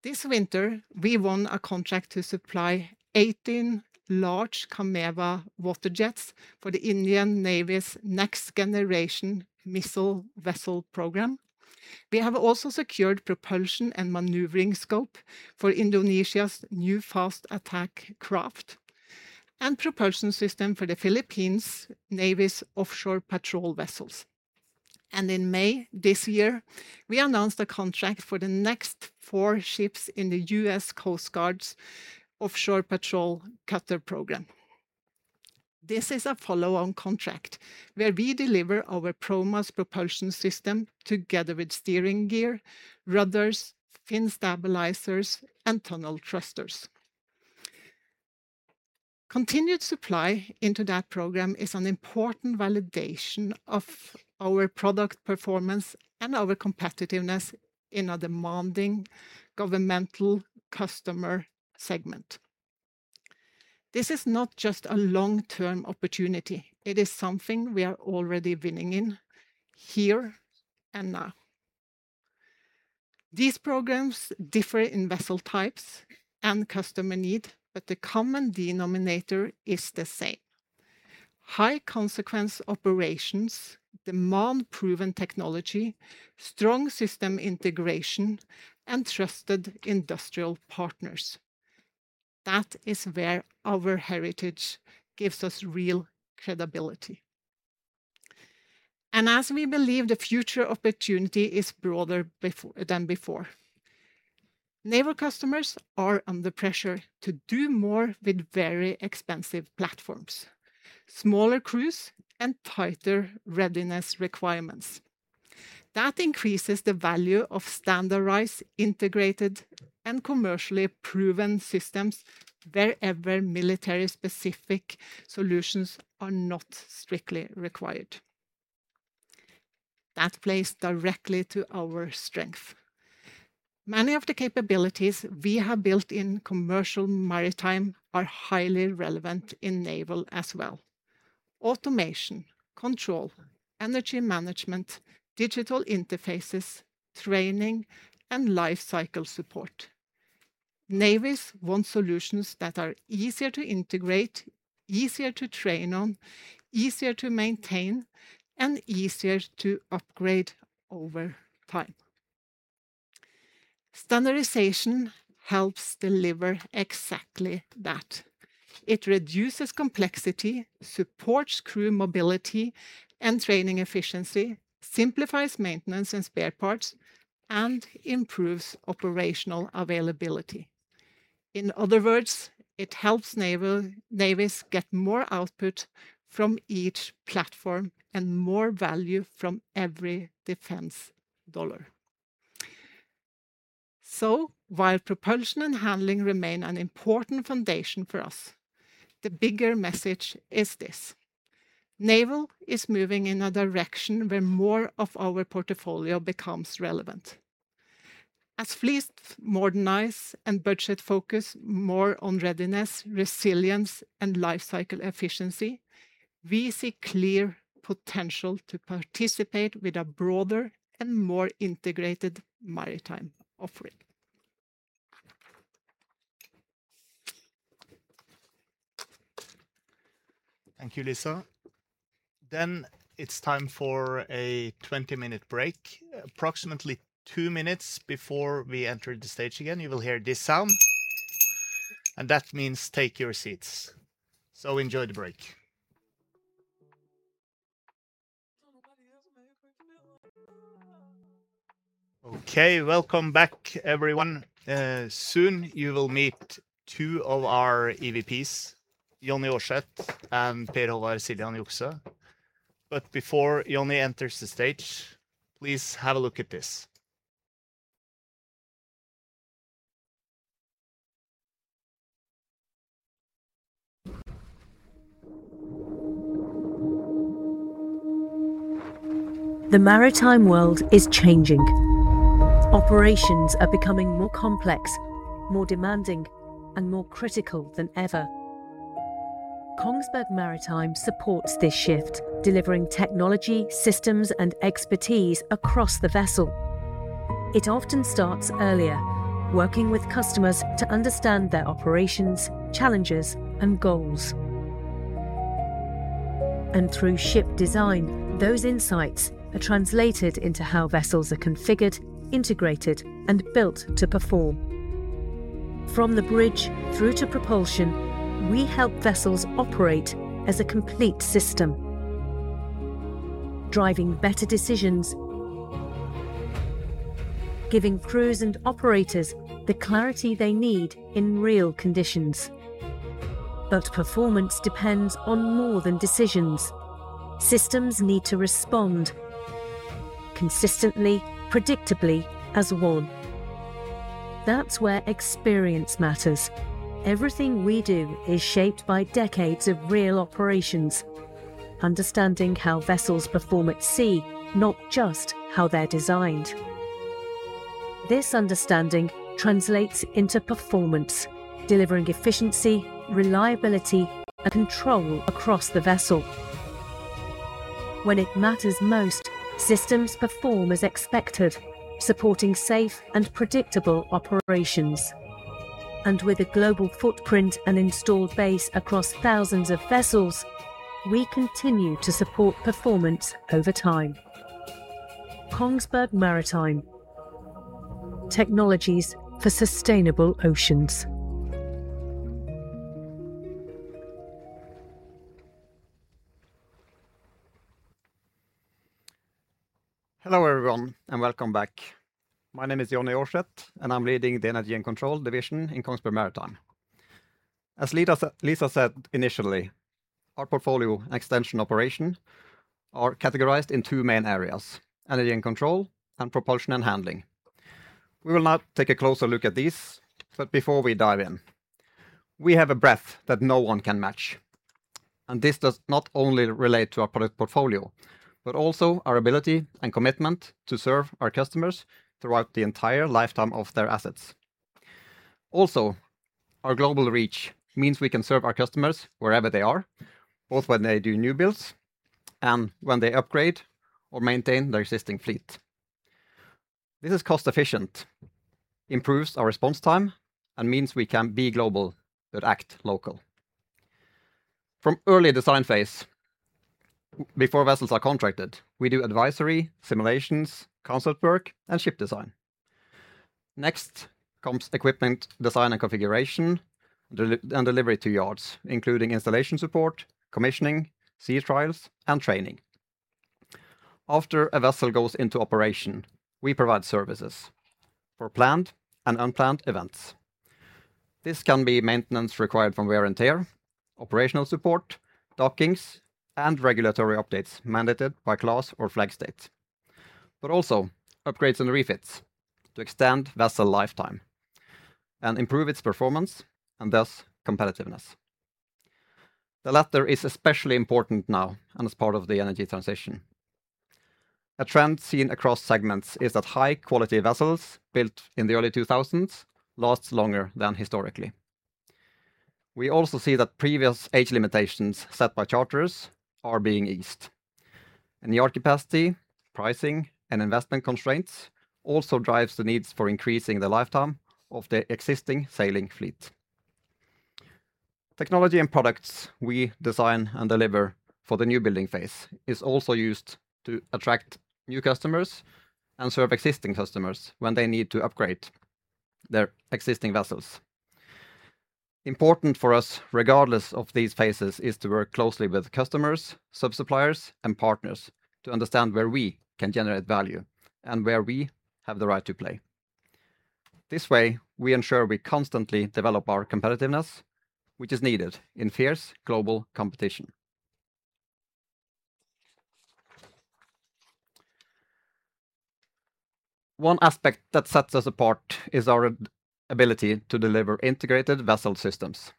This winter, we won a contract to supply 18 large Kamewa waterjets for the Indian Navy's next generation missile vessel program. We have also secured propulsion and maneuvering scope for Indonesia's new fast attack craft and propulsion system for the Philippine Navy's offshore patrol vessels. In May this year, we announced a contract for the next four ships in the U.S. Coast Guard's offshore patrol cutter program. This is a follow-on contract where we deliver our Promas propulsion system together with steering gear, rudders, fin stabilizers, and tunnel thrusters. Continued supply into that program is an important validation of our product performance and our competitiveness in a demanding governmental customer segment. This is not just a long-term opportunity. It is something we are already winning in here and now. These programs differ in vessel types and customer need, but the common denominator is the same. High consequence operations demand proven technology, strong system integration, and trusted industrial partners. That is where our heritage gives us real credibility. As we believe the future opportunity is broader than before, naval customers are under pressure to do more with very expensive platforms, smaller crews, and tighter readiness requirements. That increases the value of standardized, integrated, and commercially proven systems wherever military specific solutions are not strictly required. That plays directly to our strength. Many of the capabilities we have built in commercial maritime are highly relevant in naval as well. Automation, control, energy management, digital interfaces, training, and life cycle support. Navies want solutions that are easier to integrate, easier to train on, easier to maintain, and easier to upgrade over time. Standardization helps deliver exactly that. It reduces complexity, supports crew mobility and training efficiency, simplifies maintenance and spare parts, and improves operational availability. In other words, it helps navies get more output from each platform and more value from every defense dollar. While propulsion and handling remain an important foundation for us, the bigger message is this. Naval is moving in a direction where more of our portfolio becomes relevant. As fleets modernize and budget focus more on readiness, resilience, and life cycle efficiency, we see clear potential to participate with a broader and more integrated maritime offering. Thank you, Lisa. It's time for a 20-minute break. Approximately two minutes before we enter the stage again, you will hear this sound. That means take your seats. Enjoy the break. Okay, welcome back, everyone. Soon you will meet two of our EVPs, Johnny Aarseth and Per Håvard Siljan Hjukse. Before Johnny enters the stage, please have a look at this. The maritime world is changing. Operations are becoming more complex, more demanding, and more critical than ever. Kongsberg Maritime supports this shift, delivering technology, systems, and expertise across the vessel. It often starts earlier, working with customers to understand their operations, challenges, and goals. Through ship design, those insights are translated into how vessels are configured, integrated, and built to perform. From the bridge through to propulsion, we help vessels operate as a complete system, driving better decisions, giving crews and operators the clarity they need in real conditions. Performance depends on more than decisions. Systems need to respond consistently, predictably as one. That's where experience matters. Everything we do is shaped by decades of real operations, understanding how vessels perform at sea, not just how they're designed. This understanding translates into performance, delivering efficiency, reliability, and control across the vessel. When it matters most, systems perform as expected, supporting safe and predictable operations. With a global footprint and installed base across thousands of vessels, we continue to support performance over time. Kongsberg Maritime. Technologies for sustainable oceans. Hello, everyone, and welcome back. My name is Johnny Aarseth, and I am leading the Energy and Control division in Kongsberg Maritime. As Lisa said initially, our portfolio extension operation are categorized in two main areas, Energy and Control and Propulsion and Handling. Before we dive in, we have a breadth that no one can match, and this does not only relate to our product portfolio, but also our ability and commitment to serve our customers throughout the entire lifetime of their assets. Our global reach means we can serve our customers wherever they are, both when they do new builds and when they upgrade or maintain their existing fleet. This is cost-efficient, improves our response time, and means we can be global but act local. From early design phase, before vessels are contracted, we do advisory, simulations, concept work, and ship design. Equipment design and configuration and delivery to yards, including installation support, commissioning, sea trials, and training. After a vessel goes into operation, we provide services for planned and unplanned events. This can be maintenance required from wear and tear, operational support, dockings, and regulatory updates mandated by class or flag state, but also upgrades and refits to extend vessel lifetime and improve its performance and thus competitiveness. The latter is especially important now and is part of the energy transition. A trend seen across segments is that high-quality vessels built in the early 2000s last longer than historically. We also see that previous age limitations set by charters are being eased. The yard capacity, pricing, and investment constraints also drives the needs for increasing the lifetime of the existing sailing fleet. Technology and products we design and deliver for the new building phase is also used to attract new customers and serve existing customers when they need to upgrade their existing vessels. Important for us, regardless of these phases, is to work closely with customers, sub-suppliers, and partners to understand where we can generate value and where we have the right to play. This way, we ensure we constantly develop our competitiveness, which is needed in fierce global competition. One aspect that sets us apart is our ability to deliver integrated vessel systems.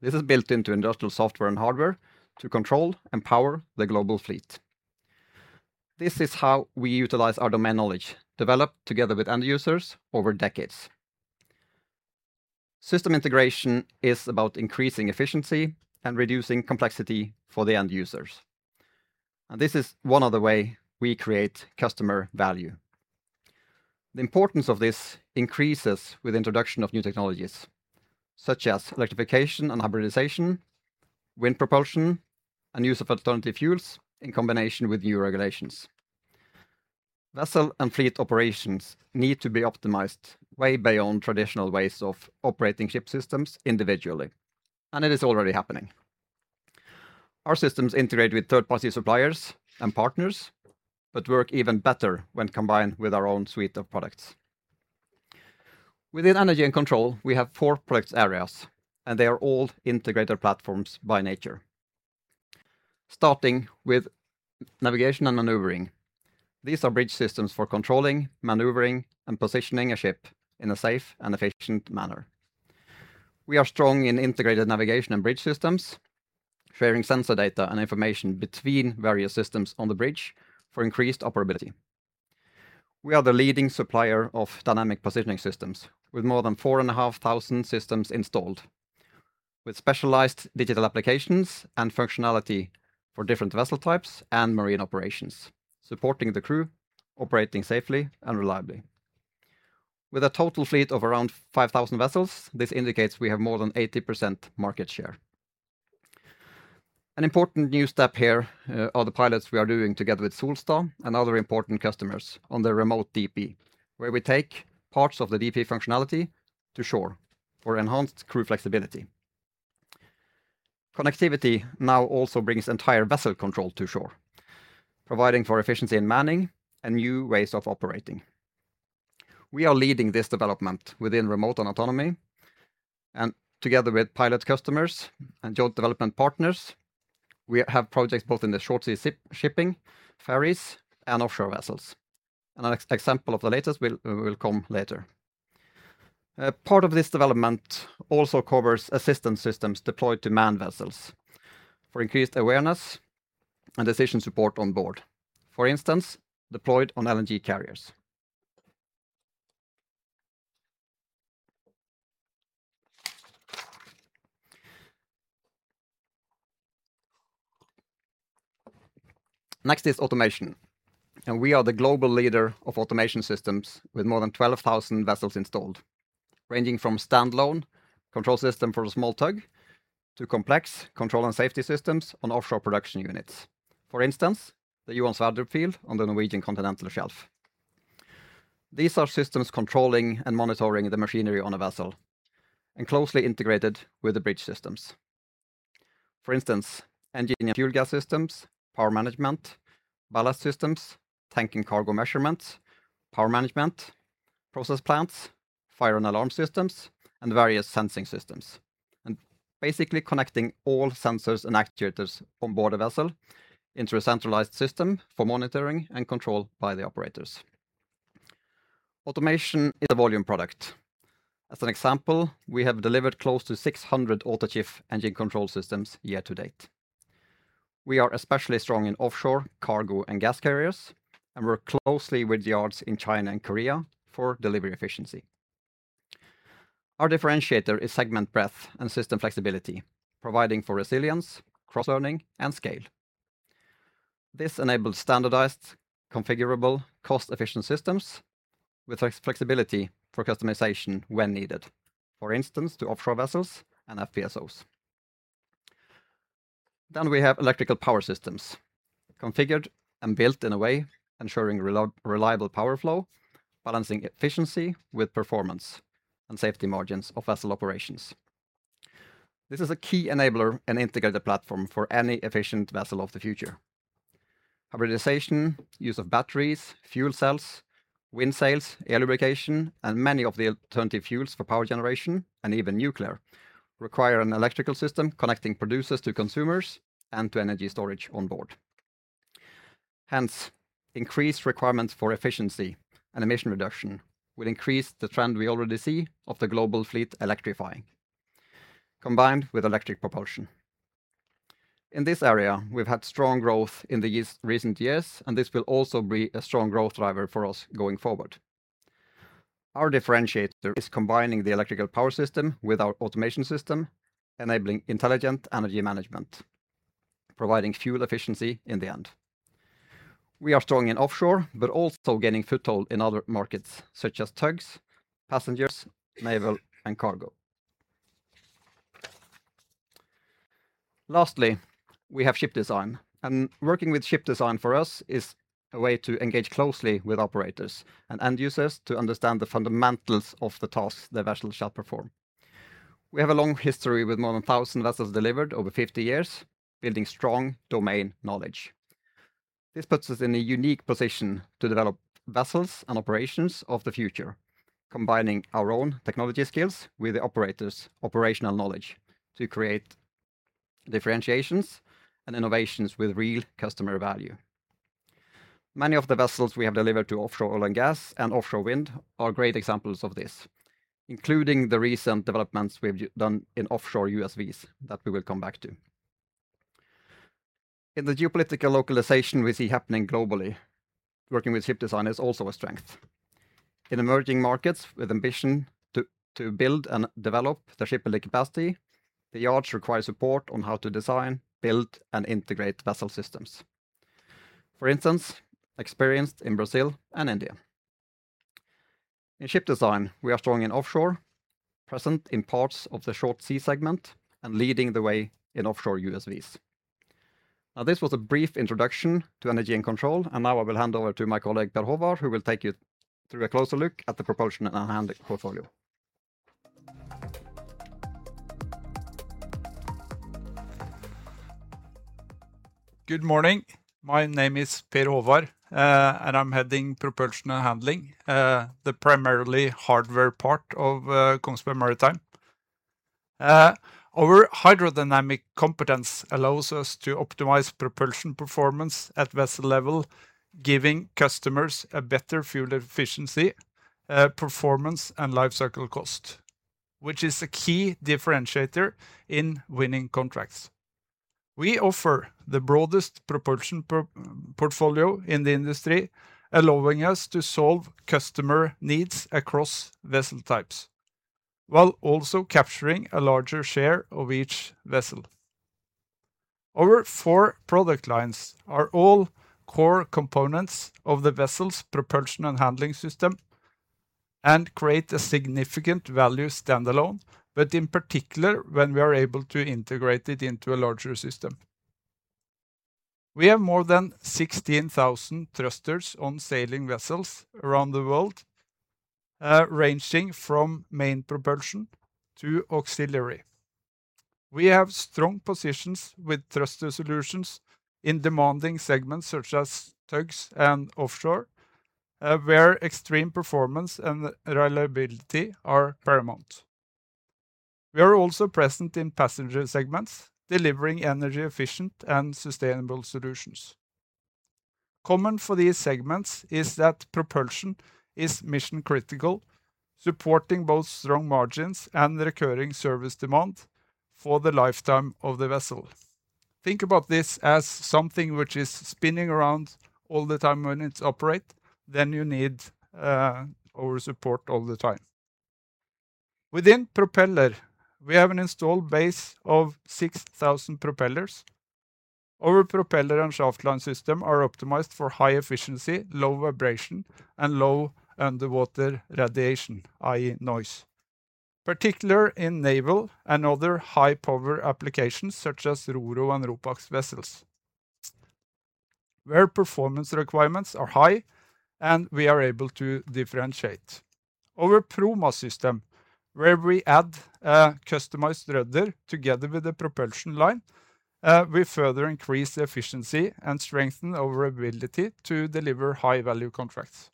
This is built into industrial software and hardware to control and power the global fleet. This is how we utilize our domain knowledge, developed together with end users over decades. System integration is about increasing efficiency and reducing complexity for the end users. This is one of the ways we create customer value. The importance of this increases with introduction of new technologies, such as electrification and hybridization, wind propulsion, and use of alternative fuels in combination with new regulations. Vessel and fleet operations need to be optimized way beyond traditional ways of operating ship systems individually, and it is already happening. Our systems integrate with third-party suppliers and partners but work even better when combined with our own suite of products. Within Energy and Control, we have four product areas, and they are all integrated platforms by nature. Starting with navigation and maneuvering. These are bridge systems for controlling, maneuvering, and positioning a ship in a safe and efficient manner. We are strong in integrated navigation and bridge systems, sharing sensor data and information between various systems on the bridge for increased operability. We are the leading supplier of dynamic positioning systems with more than 4,500 systems installed, with specialized digital applications and functionality for different vessel types and marine operations, supporting the crew operating safely and reliably. With a total fleet of around 5,000 vessels, this indicates we have more than 80% market share. An important new step here are the pilots we are doing together with Solstad and other important customers on the remote DP, where we take parts of the DP functionality to shore for enhanced crew flexibility. Connectivity now also brings entire vessel control to shore, providing for efficiency in manning and new ways of operating. We are leading this development within remote and autonomy and together with pilot customers and joint development partners, we have projects both in the short sea shipping, ferries, and offshore vessels. An example of the latest will come later. Part of this development also covers assistance systems deployed to manned vessels for increased awareness and decision support on board. For instance, deployed on LNG carriers. Next is automation, and we are the global leader of automation systems with more than 12,000 vessels installed, ranging from standalone control system for a small tug to complex control and safety systems on offshore production units. For instance, the Johan Sverdrup field on the Norwegian continental shelf. These are systems controlling and monitoring the machinery on a vessel and closely integrated with the bridge systems. For instance, engine and fuel gas systems, power management, ballast systems, tank and cargo measurements, power management, process plants, fire and alarm systems, and various sensing systems, basically connecting all sensors and actuators on board a vessel into a centralized system for monitoring and control by the operators. Automation is a volume product. As an example, we have delivered close to 600 AutoChief engine control systems year to date. We are especially strong in offshore cargo and gas carriers and work closely with yards in China and Korea for delivery efficiency. Our differentiator is segment breadth and system flexibility, providing for resilience, cross-learning, and scale. This enables standardized, configurable, cost-efficient systems with flexibility for customization when needed, for instance, to offshore vessels and FPSOs. We have electrical power systems configured and built in a way ensuring reliable power flow, balancing efficiency with performance and safety margins of vessel operations. This is a key enabler and integrated platform for any efficient vessel of the future. Hybridization, use of batteries, fuel cells, wind sails, air lubrication, and many of the alternative fuels for power generation and even nuclear require an electrical system connecting producers to consumers and to energy storage on board. Increased requirements for efficiency and emission reduction will increase the trend we already see of the global fleet electrifying, combined with electric propulsion. In this area, we've had strong growth in the recent years, and this will also be a strong growth driver for us going forward. Our differentiator is combining the electrical power system with our automation system, enabling intelligent energy management, providing fuel efficiency in the end. We are strong in offshore, but also gaining foothold in other markets such as tugs, passengers, naval and cargo. Lastly, we have ship design and working with ship design for us is a way to engage closely with operators and end users to understand the fundamentals of the tasks their vessels shall perform. We have a long history with more than 1,000 vessels delivered over 50 years, building strong domain knowledge. This puts us in a unique position to develop vessels and operations of the future, combining our own technology skills with the operator's operational knowledge to create differentiations and innovations with real customer value. Many of the vessels we have delivered to offshore oil and gas and offshore wind are great examples of this, including the recent developments we've done in offshore USVs that we will come back to. In the geopolitical localization we see happening globally, working with ship design is also a strength. In emerging markets with ambition to build and develop the shipbuilder capacity, the yards require support on how to design, build and integrate vessel systems. For instance, experienced in Brazil and India. In ship design, we are strong in offshore, present in parts of the short sea segment and leading the way in offshore USVs. This was a brief introduction to Energy and Control. I will hand over to my colleague, Per Håvard, who will take you through a closer look at the Propulsion and Handling portfolio. Good morning. My name is Per Håvard. I'm heading Propulsion and Handling, the primarily hardware part of Kongsberg Maritime. Our hydrodynamic competence allows us to optimize propulsion performance at vessel level, giving customers a better fuel efficiency, performance and life cycle cost, which is a key differentiator in winning contracts. We offer the broadest propulsion portfolio in the industry, allowing us to solve customer needs across vessel types, while also capturing a larger share of each vessel. Our four product lines are all core components of the vessel's Propulsion and Handling system and create a significant value standalone, but in particular, when we are able to integrate it into a larger system. We have more than 16,000 thrusters on sailing vessels around the world, ranging from main propulsion to auxiliary. We have strong positions with thruster solutions in demanding segments such as tugs and offshore, where extreme performance and reliability are paramount. We are also present in passenger segments, delivering energy efficient and sustainable solutions. Common for these segments is that propulsion is mission critical, supporting both strong margins and recurring service demand for the lifetime of the vessel. Think about this as something which is spinning around all the time when it operate. You need our support all the time. Within propeller, we have an installed base of 6,000 propellers. Our propeller and shaft line system are optimized for high efficiency, low vibration, and low underwater radiation, i.e., noise. Particular in naval and other high power applications such as ro-ro and ro-pax vessels, where performance requirements are high and we are able to differentiate. Our Promas system, where we add a customized rudder together with the propulsion line, we further increase the efficiency and strengthen our ability to deliver high value contracts.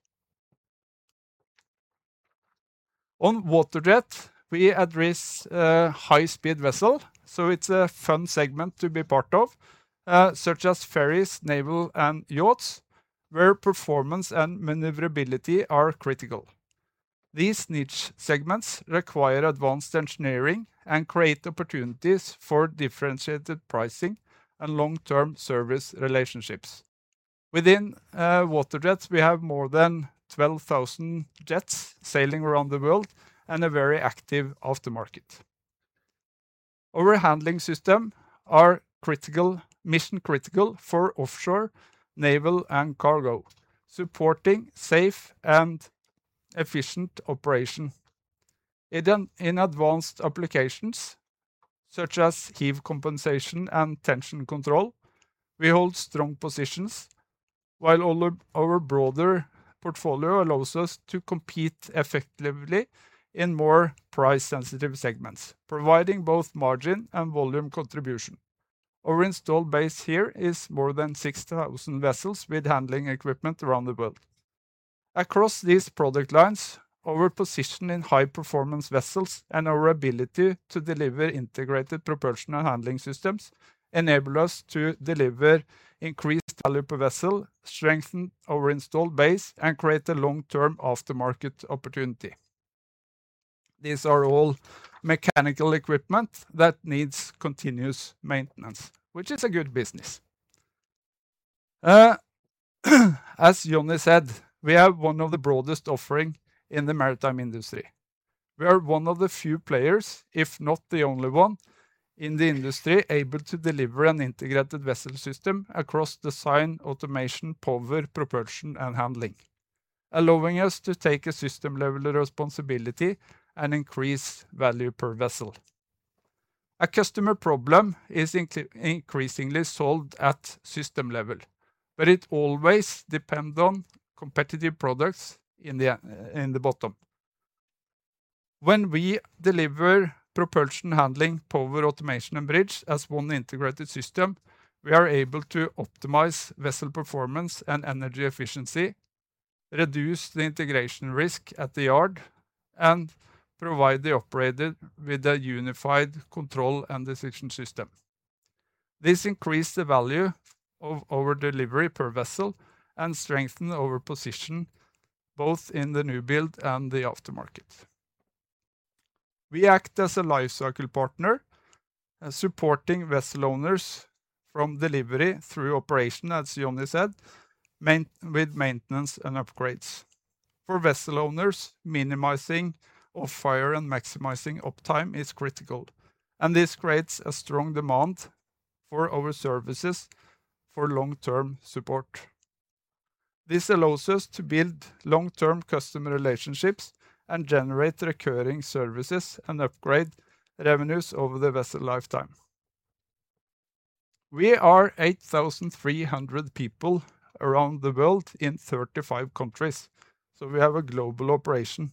On waterjet, we address high-speed vessel, so it's a fun segment to be part of, such as ferries, naval and yachts, where performance and maneuverability are critical. These niche segments require advanced engineering and create opportunities for differentiated pricing and long-term service relationships. Within waterjets, we have more than 12,000 jets sailing around the world and a very active aftermarket. Our handling system are mission critical for offshore, naval and cargo, supporting safe and efficient operation. In advanced applications such as heave compensation and tension control, we hold strong positions, while our broader portfolio allows us to compete effectively in more price-sensitive segments, providing both margin and volume contribution. Our installed base here is more than 60,000 vessels with handling equipment around the world. Across these product lines, our position in high-performance vessels and our ability to deliver integrated propulsion and handling systems enable us to deliver increased value per vessel, strengthen our installed base, and create a long-term aftermarket opportunity. These are all mechanical equipment that needs continuous maintenance, which is a good business. As Johnny said, we have one of the broadest offering in the maritime industry. We are one of the few players, if not the only one, in the industry able to deliver an integrated vessel system across design, automation, power, propulsion, and handling, allowing us to take a system-level responsibility and increase value per vessel. A customer problem is increasingly solved at system-level, but it always depends on competitive products at the bottom. When we deliver propulsion handling, power automation, and bridge as one integrated system, we are able to optimize vessel performance and energy efficiency, reduce the integration risk at the yard, and provide the operator with a unified control and decision system. This increases the value of our delivery per vessel and strengthens our position both in the new build and the aftermarket. We act as a life cycle partner, supporting vessel owners from delivery through operation, as Johnny said, with maintenance and upgrades. For vessel owners, minimizing off-hire and maximizing uptime is critical, and this creates a strong demand for our services for long-term support. This allows us to build long-term customer relationships and generate recurring services and upgrade revenues over the vessel lifetime. We are 8,300 people around the world in 35 countries. We have a global operation.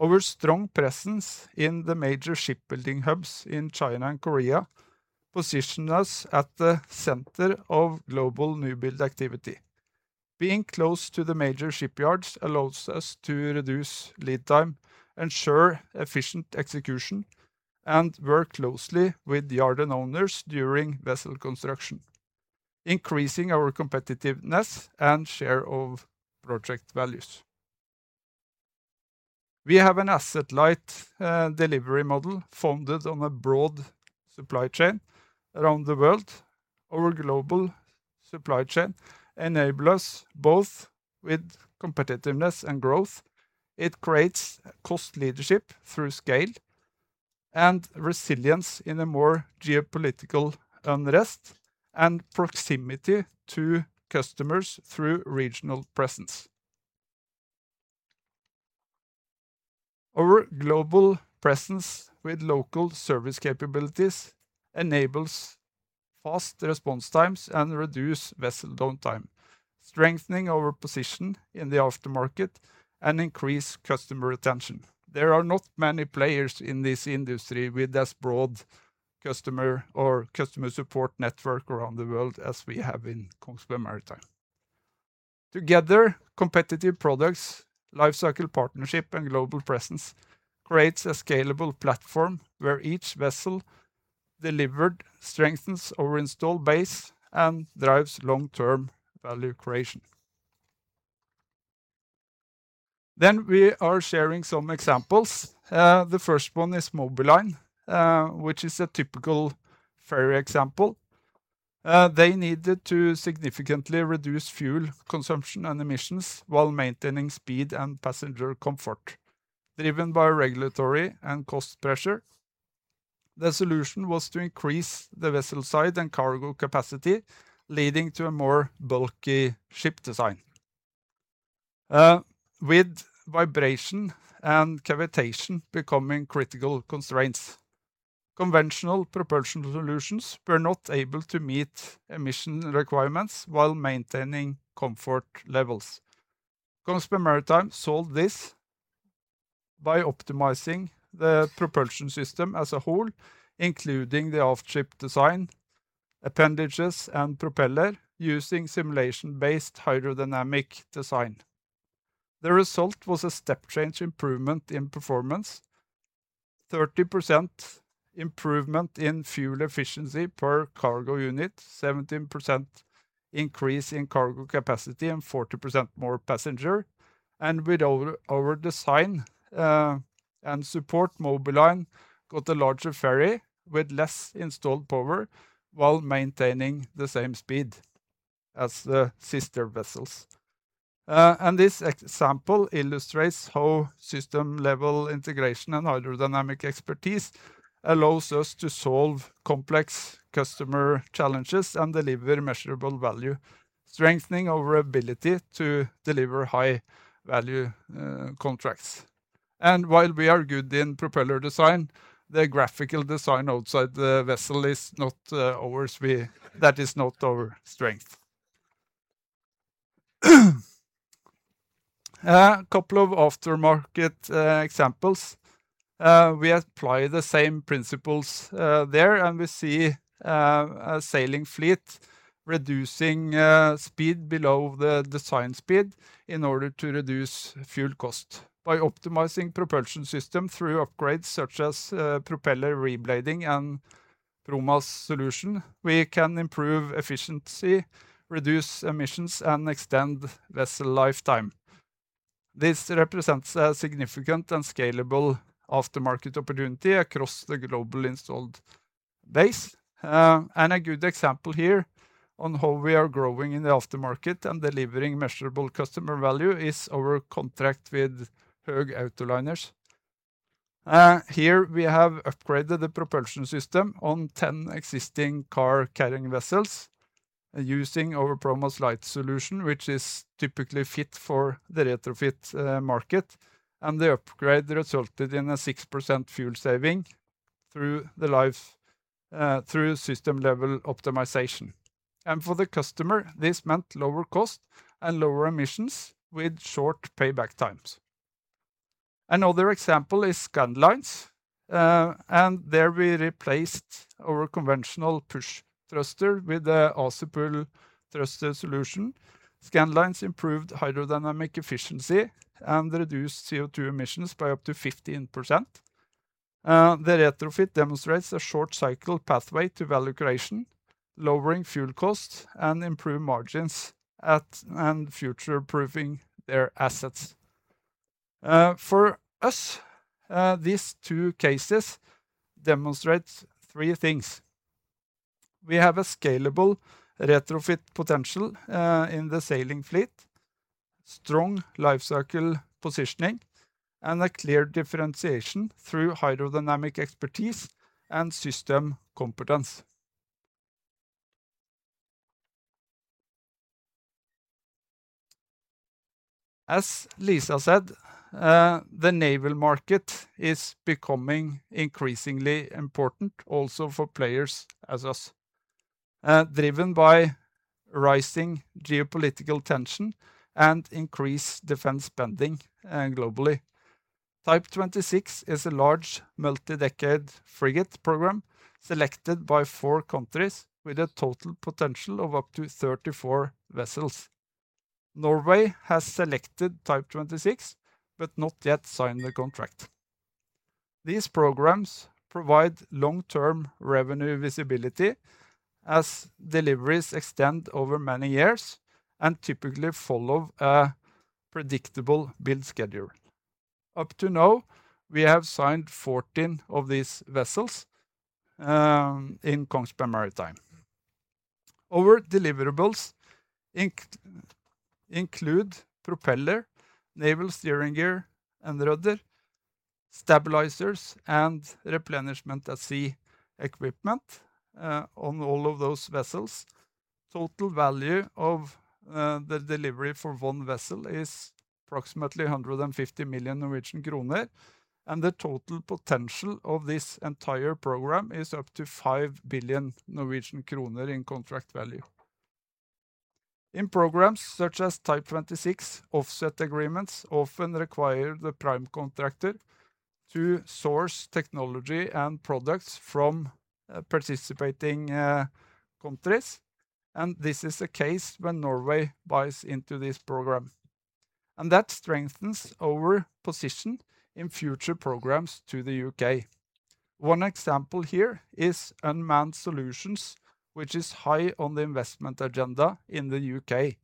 Our strong presence in the major shipbuilding hubs in China and Korea position us at the center of global new build activity. Being close to the major shipyards allows us to reduce lead time, ensure efficient execution, and work closely with yard and owners during vessel construction, increasing our competitiveness and share of project values. We have an asset-light delivery model founded on a broad supply chain around the world. Our global supply chain enable us both with competitiveness and growth. It creates cost leadership through scale and resilience in a more geopolitical unrest and proximity to customers through regional presence. Our global presence with local service capabilities enables fast response times and reduce vessel downtime, strengthening our position in the aftermarket and increase customer retention. There are not many players in this industry with as broad customer or customer support network around the world as we have in Kongsberg Maritime. Together, competitive products, life cycle partnership, and global presence creates a scalable platform where each vessel delivered strengthens our installed base and drives long-term value creation. We are sharing some examples. The first one is Molslinjen, which is a typical ferry example. They needed to significantly reduce fuel consumption and emissions while maintaining speed and passenger comfort, driven by regulatory and cost pressure. The solution was to increase the vessel size and cargo capacity, leading to a more bulky ship design, with vibration and cavitation becoming critical constraints. Conventional propulsion solutions were not able to meet emission requirements while maintaining comfort levels. Kongsberg Maritime solved this by optimizing the propulsion system as a whole, including the aft ship design, appendages, and propeller using simulation-based hydrodynamic design. The result was a step change improvement in performance, 30% improvement in fuel efficiency per cargo unit, 17% increase in cargo capacity, and 40% more passenger. With our design and support, Molslinjen got a larger ferry with less installed power while maintaining the same speed as the sister vessels. This example illustrates how system-level integration and hydrodynamic expertise allows us to solve complex customer challenges and deliver measurable value, strengthening our ability to deliver high-value contracts. While we are good in propeller design, the graphical design outside the vessel is not ours. That is not our strength. A couple of aftermarket examples. We apply the same principles there. We see a sailing fleet reducing speed below the design speed in order to reduce fuel cost. By optimizing propulsion system through upgrades such as propeller reblading and Promas solution, we can improve efficiency, reduce emissions, and extend vessel lifetime. This represents a significant and scalable aftermarket opportunity across the globally installed base. A good example here on how we are growing in the aftermarket and delivering measurable customer value is our contract with Höegh Autoliners. Here we have upgraded the propulsion system on 10 existing car-carrying vessels using our Promas Lite solution, which is typically fit for the retrofit market, and the upgrade resulted in a 6% fuel saving through system-level optimization. For the customer, this meant lower cost and lower emissions with short payback times. Another example is Scandlines. There we replaced our conventional push thruster with the Azipull thruster solution. Scandlines improved hydrodynamic efficiency and reduced CO2 emissions by up to 15%. The retrofit demonstrates a short cycle pathway to value creation, lowering fuel costs, and improve margins and future-proofing their assets. For us, these two cases demonstrate three things. We have a scalable retrofit potential in the sailing fleet, strong life cycle positioning, and a clear differentiation through hydrodynamic expertise and system competence. As Lisa said, the naval market is becoming increasingly important also for players as us, driven by rising geopolitical tension and increased defense spending globally. Type 26 is a large multi-decade frigate program selected by four countries with a total potential of up to 34 vessels. Norway has selected Type 26, but not yet signed the contract. These programs provide long-term revenue visibility as deliveries extend over many years and typically follow a predictable build schedule. Up to now, we have signed 14 of these vessels in Kongsberg Maritime. Our deliverables include propeller, naval steering gear and rudder, stabilizers, and replenishment-at-sea equipment on all of those vessels. Total value of the delivery for one vessel is approximately 150 million Norwegian kroner, and the total potential of this entire program is up to 5 billion Norwegian kroner in contract value. In programs such as Type 26, offset agreements often require the prime contractor to source technology and products from participating countries, and this is the case when Norway buys into this program. That strengthens our position in future programs to the U.K. One example here is unmanned solutions, which is high on the investment agenda in the U.K.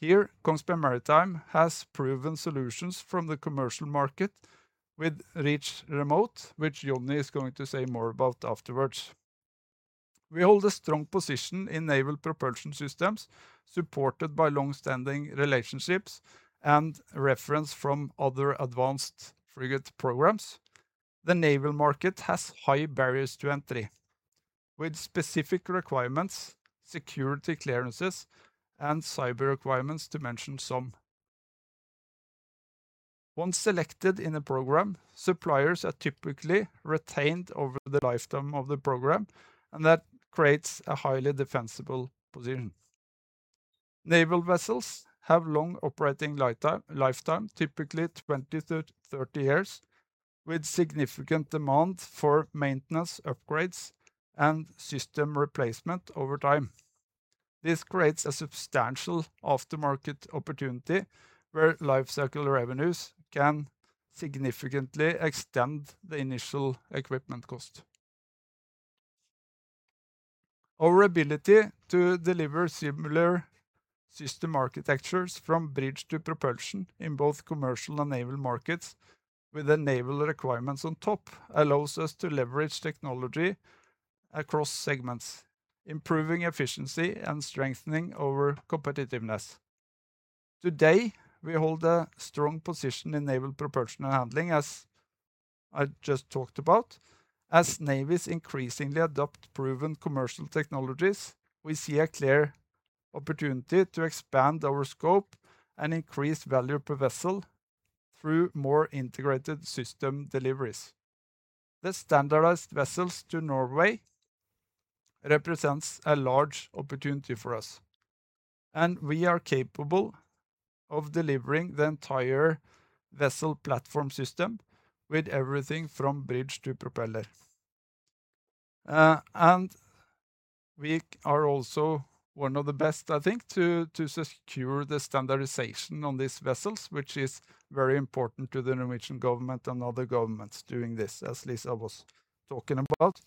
Here, Kongsberg Maritime has proven solutions from the commercial market with Reach Remote, which Johnny is going to say more about afterwards. We hold a strong position in naval propulsion systems, supported by longstanding relationships and reference from other advanced frigate programs. The naval market has high barriers to entry, with specific requirements, security clearances, and cyber requirements to mention some. Once selected in a program, suppliers are typically retained over the lifetime of the program, and that creates a highly defensible position. Naval vessels have long operating lifetime, typically 20-30 years, with significant demand for maintenance, upgrades, and system replacement over time. This creates a substantial aftermarket opportunity where life cycle revenues can significantly extend the initial equipment cost. Our ability to deliver similar system architectures from bridge to propulsion in both commercial and naval markets with the naval requirements on top allows us to leverage technology across segments, improving efficiency and strengthening our competitiveness. Today, we hold a strong position in naval propulsion and Handling, as I just talked about. As navies increasingly adopt proven commercial technologies, we see a clear opportunity to expand our scope and increase value per vessel through more integrated system deliveries. The standardized vessels to Norway represents a large opportunity for us, and we are capable of delivering the entire vessel platform system with everything from bridge to propeller. We are also one of the best, I think, to secure the standardization on these vessels, which is very important to the Norwegian government and other governments doing this, as Lisa was talking about.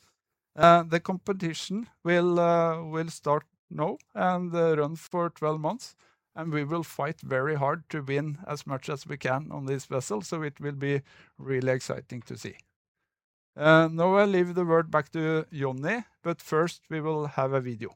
The competition will start now and run for 12 months, and we will fight very hard to win as much as we can on this vessel. So it will be really exciting to see. Now I leave the word back to Johnny, but first we will have a video.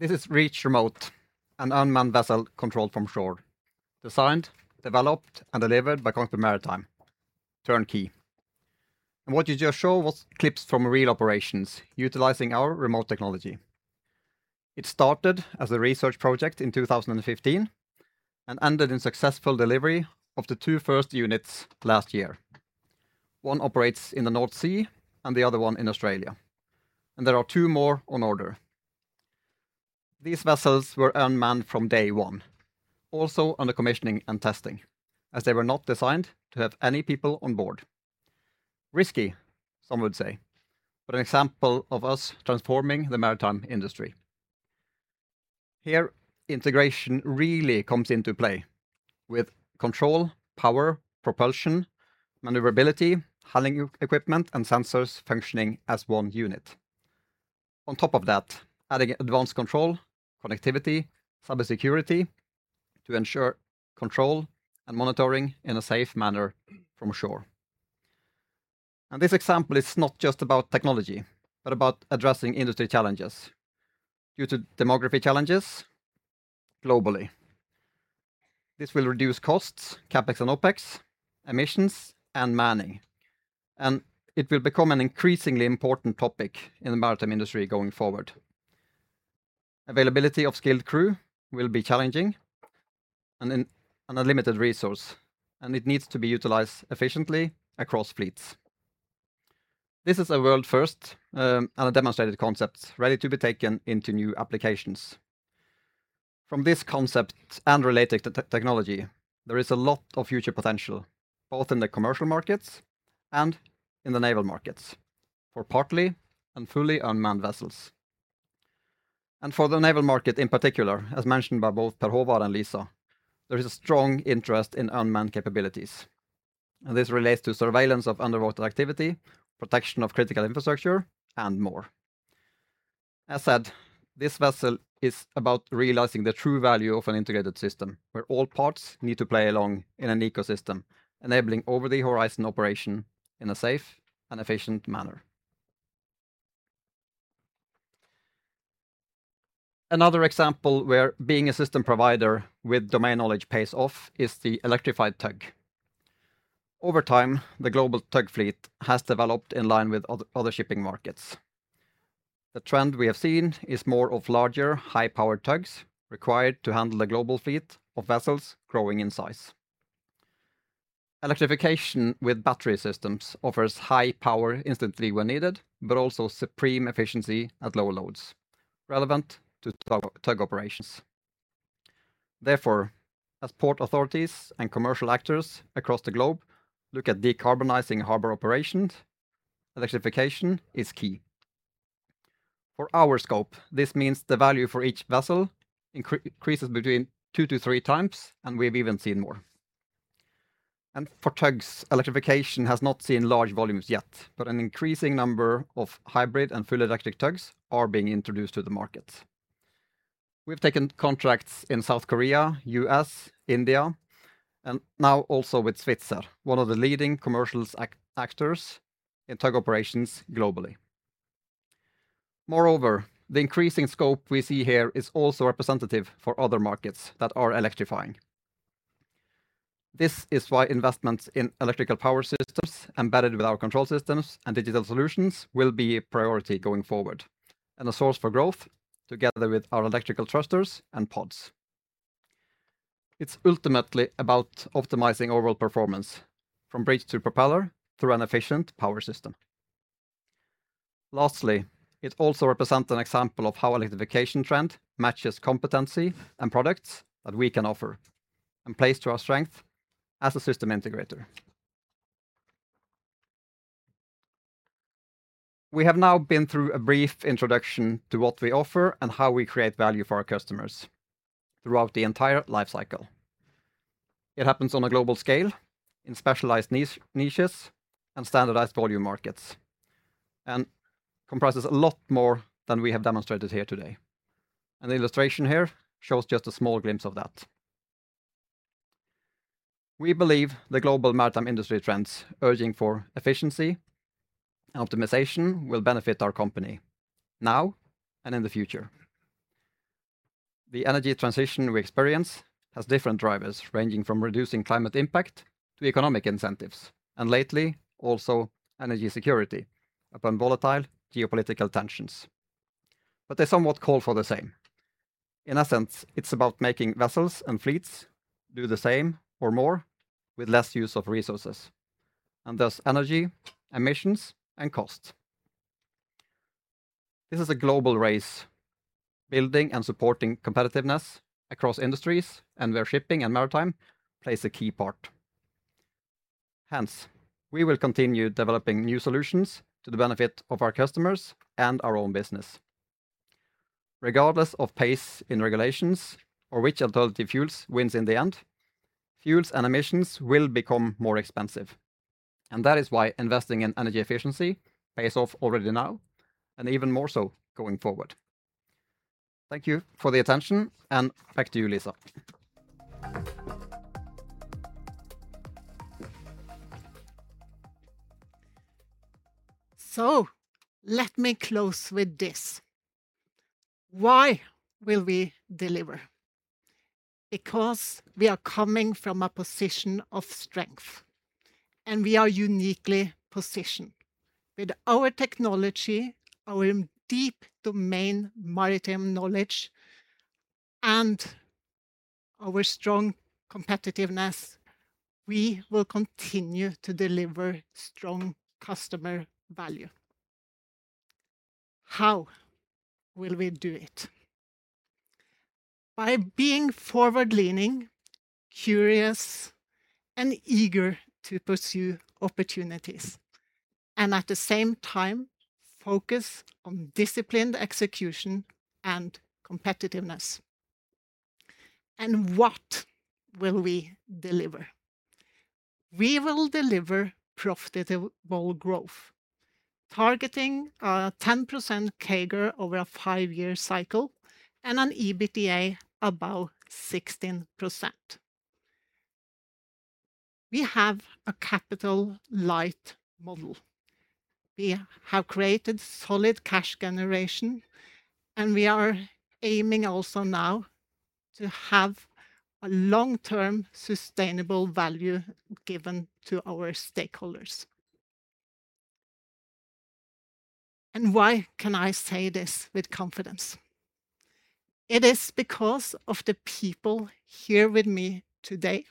This is Reach Remote, an unmanned vessel controlled from shore, designed, developed, and delivered by Kongsberg Maritime turnkey. What you just saw was clips from real operations utilizing our remote technology. It started as a research project in 2015 and ended in successful delivery of the two first units last year. One operates in the North Sea and the other one in Australia, and there are two more on order. These vessels were unmanned from day one, also under commissioning and testing, as they were not designed to have any people on board. Risky, some would say, but an example of us transforming the maritime industry. Here, integration really comes into play with control, power, propulsion, maneuverability, handling equipment, and sensors functioning as one unit. On top of that, adding advanced control, connectivity, cybersecurity to ensure control and monitoring in a safe manner from shore. This example is not just about technology, but about addressing industry challenges due to demography challenges globally. This will reduce costs, CapEx and OpEx, emissions, and manning, and it will become an increasingly important topic in the maritime industry going forward. Availability of skilled crew will be challenging and a limited resource, and it needs to be utilized efficiently across fleets. This is a world first and a demonstrated concept ready to be taken into new applications. From this concept and related technology, there is a lot of future potential, both in the commercial markets and in the naval markets, for partly and fully unmanned vessels. For the naval market in particular, as mentioned by both Per Håvard and Lisa, there is a strong interest in unmanned capabilities. This relates to surveillance of underwater activity, protection of critical infrastructure, and more. As said, this vessel is about realizing the true value of an integrated system where all parts need to play along in an ecosystem, enabling over-the-horizon operation in a safe and efficient manner. Another example where being a system provider with domain knowledge pays off is the electrified tug. Over time, the global tug fleet has developed in line with other shipping markets. The trend we have seen is more of larger, high-powered tugs required to handle the global fleet of vessels growing in size. Electrification with battery systems offers high power instantly when needed, but also supreme efficiency at lower loads relevant to tug operations. As port authorities and commercial actors across the globe look at decarbonizing harbor operations, electrification is key. For our scope, this means the value for each vessel increases between two to three times, and we've even seen more. For tugs, electrification has not seen large volumes yet, but an increasing number of hybrid and fully electric tugs are being introduced to the market. We've taken contracts in South Korea, U.S., India, and now also with Svitzer, one of the leading commercial actors in tug operations globally. The increasing scope we see here is also representative for other markets that are electrifying. This is why investments in electrical power systems embedded with our control systems and digital solutions will be a priority going forward and a source for growth together with our electrical thrusters and pods. It's ultimately about optimizing overall performance from bridge to propeller through an efficient power system. Lastly, it also represents an example of how electrification trend matches competency and products that we can offer and plays to our strength as a system integrator. We have now been through a brief introduction to what we offer and how we create value for our customers throughout the entire life cycle. It happens on a global scale in specialized niches and standardized volume markets and comprises a lot more than we have demonstrated here today. An illustration here shows just a small glimpse of that. We believe the global maritime industry trends urging for efficiency and optimization will benefit our company now and in the future. The energy transition we experience has different drivers, ranging from reducing climate impact to economic incentives, and lately, also energy security upon volatile geopolitical tensions. They somewhat call for the same. In a sense, it's about making vessels and fleets do the same or more with less use of resources, and thus energy, emissions, and cost. This is a global race, building and supporting competitiveness across industries and where shipping and maritime plays a key part. Hence, we will continue developing new solutions to the benefit of our customers and our own business. Regardless of pace in regulations or which alternative fuels wins in the end, fuels and emissions will become more expensive, and that is why investing in energy efficiency pays off already now and even more so going forward. Thank you for the attention and back to you, Lisa. Let me close with this. Why will we deliver? Because we are coming from a position of strength, and we are uniquely positioned. With our technology, our deep domain maritime knowledge, and our strong competitiveness, we will continue to deliver strong customer value. How will we do it? By being forward-leaning, curious, and eager to pursue opportunities, and at the same time focus on disciplined execution and competitiveness. What will we deliver? We will deliver profitable growth, targeting a 10% CAGR over a five-year cycle and an EBITDA above 16%. We have a capital-light model. We have created solid cash generation, and we are aiming also now to have a long-term sustainable value given to our stakeholders. Why can I say this with confidence? It is because of the people here with me today,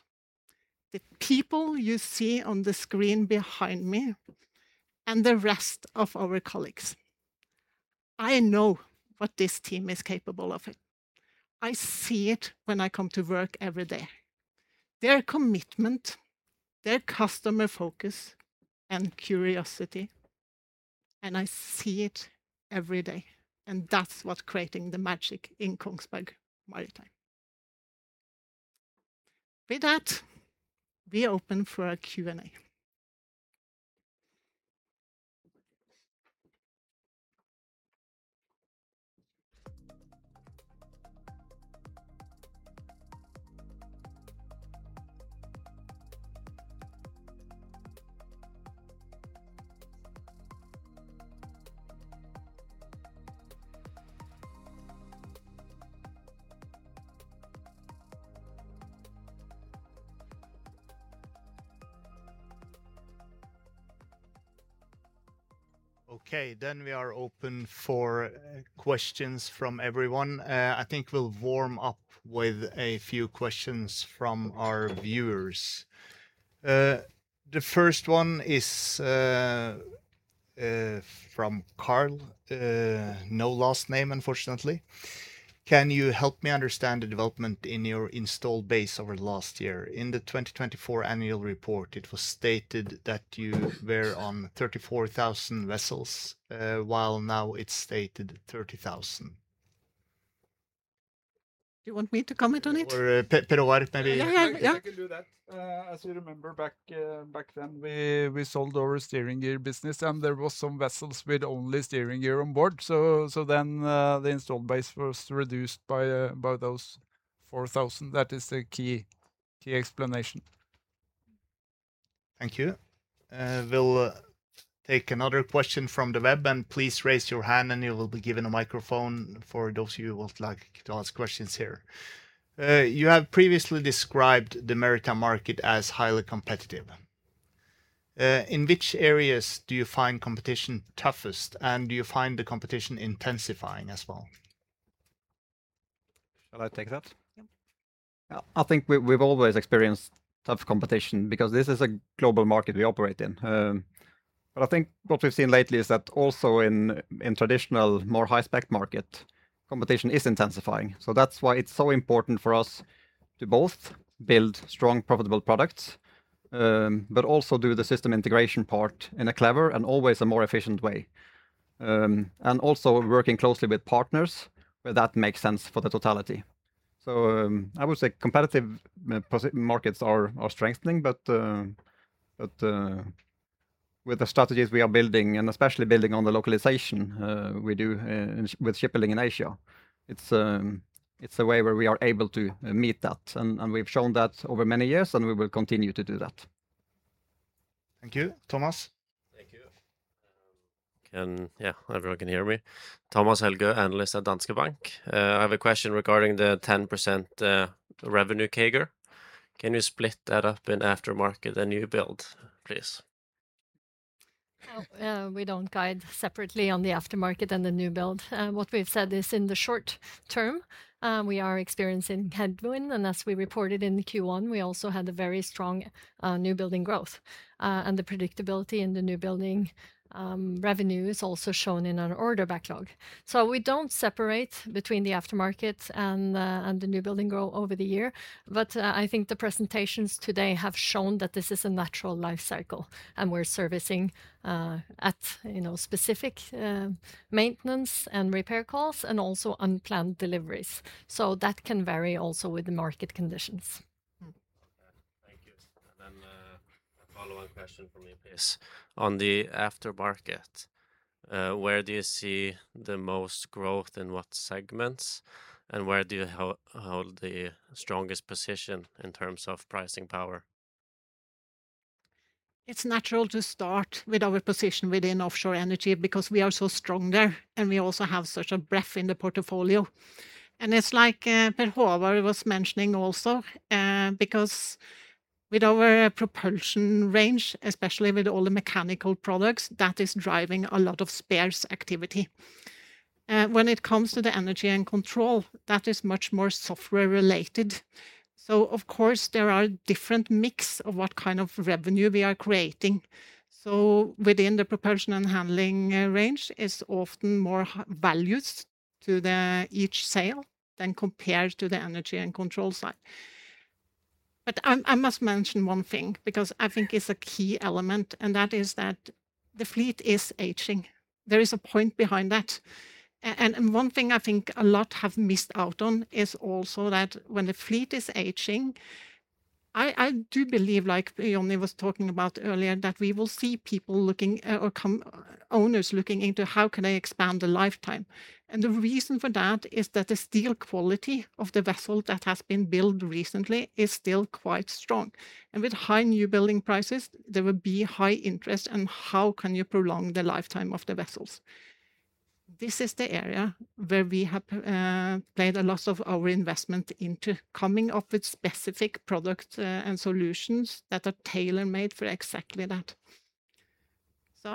the people you see on the screen behind me, and the rest of our colleagues. I know what this team is capable of. I see it when I come to work every day, their commitment, their customer focus and curiosity, and I see it every day. That's what's creating the magic in Kongsberg Maritime. With that, we open for a Q&A. Okay, we are open for questions from everyone. I think we will warm up with a few questions from our viewers. The first one is from Carl. No last name, unfortunately. "Can you help me understand the development in your installed base over the last year? In the 2024 annual report, it was stated that you were on 34,000 vessels, while now it is stated 30,000. Do you want me to comment on it? Per Håvard maybe. Yeah. I can do that. As you remember back then, we sold our steering gear business, and there were some vessels with only steering gear on board. The installed base was reduced by those 4,000. That is the key explanation. Thank you. We'll take another question from the web and please raise your hand and you will be given a microphone for those of you who would like to ask questions here. "You have previously described the maritime market as highly competitive. In which areas do you find competition toughest, and do you find the competition intensifying as well? Shall I take that? Yep. I think we've always experienced tough competition because this is a global market we operate in. I think what we've seen lately is that also in traditional, more high-spec market, competition is intensifying. That's why it's so important for us to both build strong, profitable products, but also do the system integration part in a clever and always a more efficient way. Also working closely with partners where that makes sense for the totality. I would say competitive markets are strengthening, but with the strategies we are building and especially building on the localization we do with shipbuilding in Asia, it's a way where we are able to meet that, and we've shown that over many years, and we will continue to do that. Thank you. Thomas? Thank you. Yeah, everyone can hear me? Thomas Helge, analyst at Danske Bank. I have a question regarding the 10% revenue CAGR. Can you split that up in aftermarket and new build, please? We don't guide separately on the aftermarket and the new build. What we've said is in the short term, we are experiencing headwind, as we reported in Q1, we also had a very strong new building growth. The predictability in the new building revenue is also shown in our order backlog. We don't separate between the aftermarket and the new building growth over the year. I think the presentations today have shown that this is a natural life cycle, and we're servicing at specific maintenance and repair calls and also unplanned deliveries. That can vary also with the market conditions. Okay. Thank you. A follow-on question from me please. On the aftermarket, where do you see the most growth, in what segments, and where do you hold the strongest position in terms of pricing power? It's natural to start with our position within offshore energy because we are so strong there, and we also have such a breadth in the portfolio. It's like Per Håvard was mentioning also, because with our propulsion range, especially with all the mechanical products, that is driving a lot of spares activity. When it comes to the Energy and Control, that is much more software-related. Of course, there are different mix of what kind of revenue we are creating. Within the Propulsion and Handling range is often more values to each sale than compared to the Energy and Control side. I must mention one thing because I think it's a key element, and that is that the fleet is aging. There is a point behind that. One thing I think a lot have missed out on is also that when the fleet is aging, I do believe, like Johnny was talking about earlier, that we will see owners looking into how can I expand the lifetime. The reason for that is that the steel quality of the vessel that has been built recently is still quite strong. With high new building prices, there will be high interest on how can you prolong the lifetime of the vessels. This is the area where we have played a lot of our investment into coming up with specific products and solutions that are tailor-made for exactly that.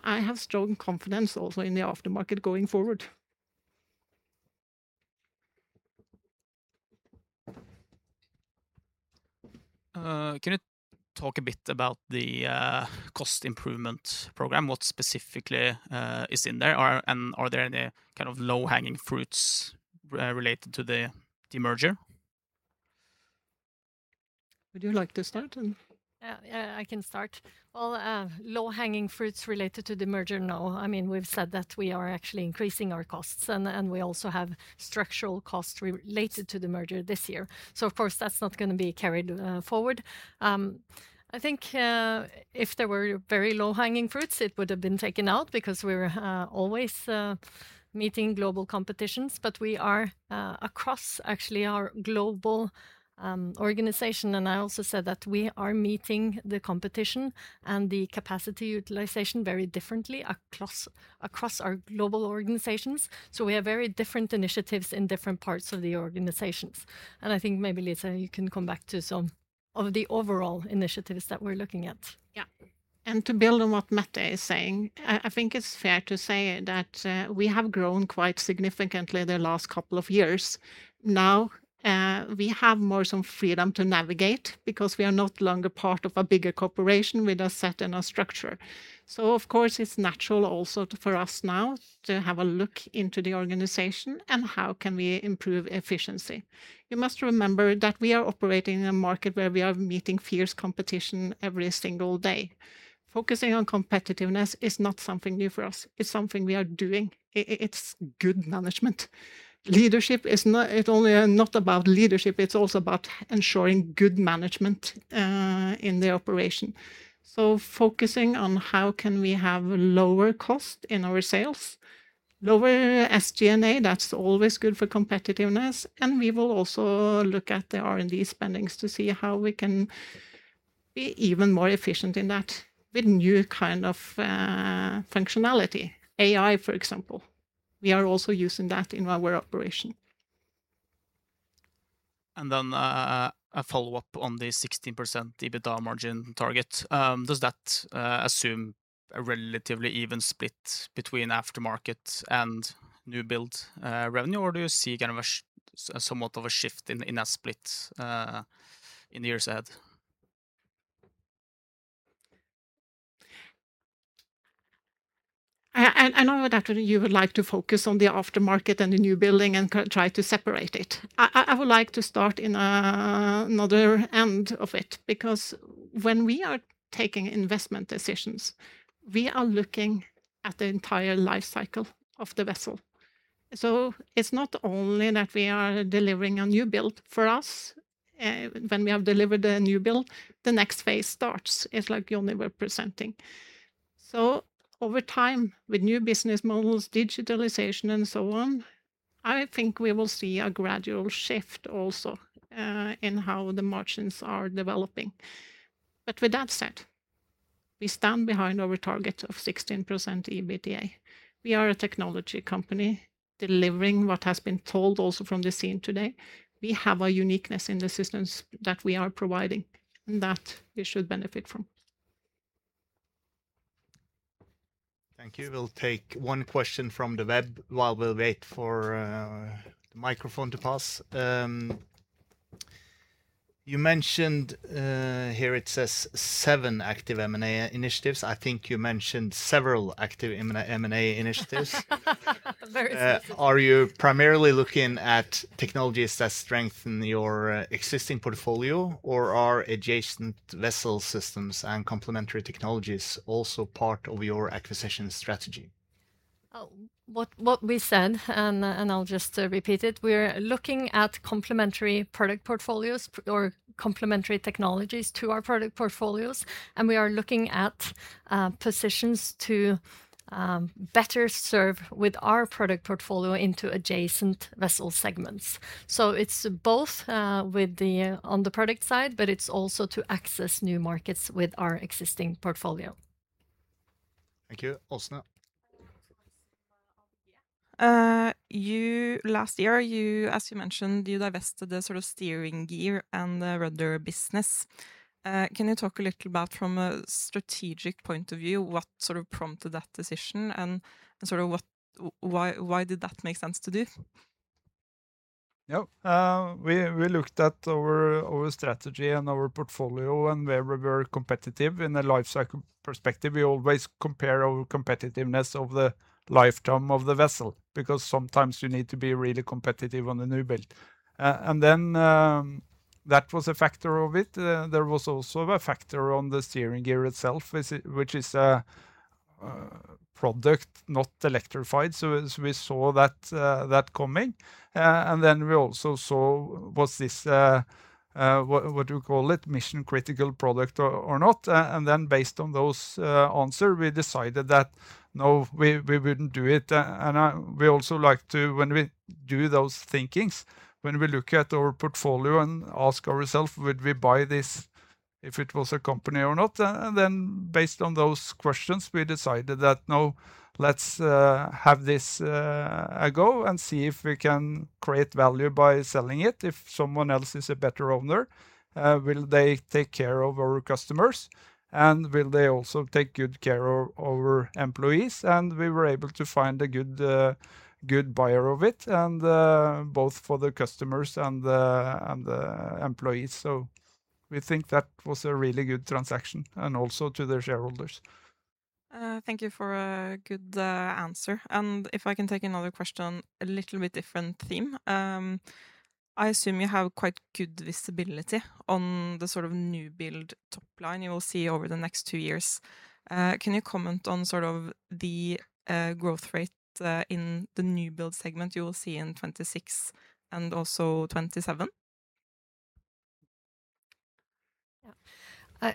I have strong confidence also in the aftermarket going forward. Can you talk a bit about the cost improvement program? What specifically is in there, and are there any low-hanging fruits related to the demerger? Would you like to start? Yeah. I can start. Well, low-hanging fruits related to demerger, no. We've said that we are actually increasing our costs, and we also have structural costs related to demerger this year. Of course, that's not going to be carried forward. I think if there were very low-hanging fruits, it would have been taken out because we're always meeting global competitions. We are across, actually, our global organization, and I also said that we are meeting the competition and the capacity utilization very differently across our global organizations. We have very different initiatives in different parts of the organizations. I think maybe, Lisa, you can come back to some of the overall initiatives that we're looking at. To build on what Mette is saying, I think it's fair to say that we have grown quite significantly the last couple of years. We have more some freedom to navigate because we are no longer part of a bigger corporation with a set and a structure. Of course, it's natural also for us now to have a look into the organization and how can we improve efficiency. You must remember that we are operating in a market where we are meeting fierce competition every single day. Focusing on competitiveness is not something new for us. It's something we are doing. It's good management. It's not about leadership, it's also about ensuring good management in the operation. Focusing on how can we have lower cost in our sales, lower SG&A, that's always good for competitiveness, and we will also look at the R&D spendings to see how we can be even more efficient in that with new kind of functionality. AI, for example. We are also using that in our operation. A follow-up on the 16% EBITDA margin target. Does that assume a relatively even split between aftermarket and new build revenue, or do you see somewhat of a shift in that split in the years ahead? I know that you would like to focus on the aftermarket and the new building and try to separate it. I would like to start in another end of it, because when we are taking investment decisions, we are looking at the entire life cycle of the vessel. It's not only that we are delivering a new build. For us, when we have delivered a new build, the next phase starts, as like Johnny were presenting. Over time, with new business models, digitalization, and so on, I think we will see a gradual shift also in how the margins are developing. With that said, we stand behind our target of 16% EBITDA. We are a technology company Delivering what has been told also from the scene today, we have a uniqueness in the systems that we are providing and that we should benefit from. Thank you. We'll take one question from the web while we'll wait for the microphone to pass. You mentioned, here it says seven active M&A initiatives. I think you mentioned several active M&A initiatives. Very. Are you primarily looking at technologies that strengthen your existing portfolio, or are adjacent vessel systems and complementary technologies also part of your acquisition strategy? What we said, I'll just repeat it, we are looking at complementary product portfolios or complementary technologies to our product portfolios, we are looking at positions to better serve with our product portfolio into adjacent vessel segments. It's both on the product side, it's also to access new markets with our existing portfolio. Thank you. Åsne. Last year, as you mentioned, you divested the steering gear and the rudder business. Can you talk a little about, from a strategic point of view, what prompted that decision and why did that make sense to do? Yep. We looked at our strategy and our portfolio. We were very competitive in a life cycle perspective. We always compare our competitiveness of the lifetime of the vessel, because sometimes you need to be really competitive on the new build. That was a factor of it. There was also a factor on the steering gear itself, which is a product not electrified, so we saw that coming. We also saw was this, what do you call it, mission-critical product or not? Based on those answer, we decided that, no, we wouldn't do it. We also like to, when we do those thinkings, when we look at our portfolio and ask ourself, "Would we buy this if it was a company or not?" Based on those questions, we decided that, no, let's have this a go and see if we can create value by selling it. If someone else is a better owner, will they take care of our customers, and will they also take good care of our employees? We were able to find a good buyer of it, and both for the customers and the employees. We think that was a really good transaction, and also to the shareholders. Thank you for a good answer. If I can take another question, a little bit different theme. I assume you have quite good visibility on the new build top line you will see over the next two years. Can you comment on the growth rate in the new build segment you will see in 2026 and also 2027? Yeah.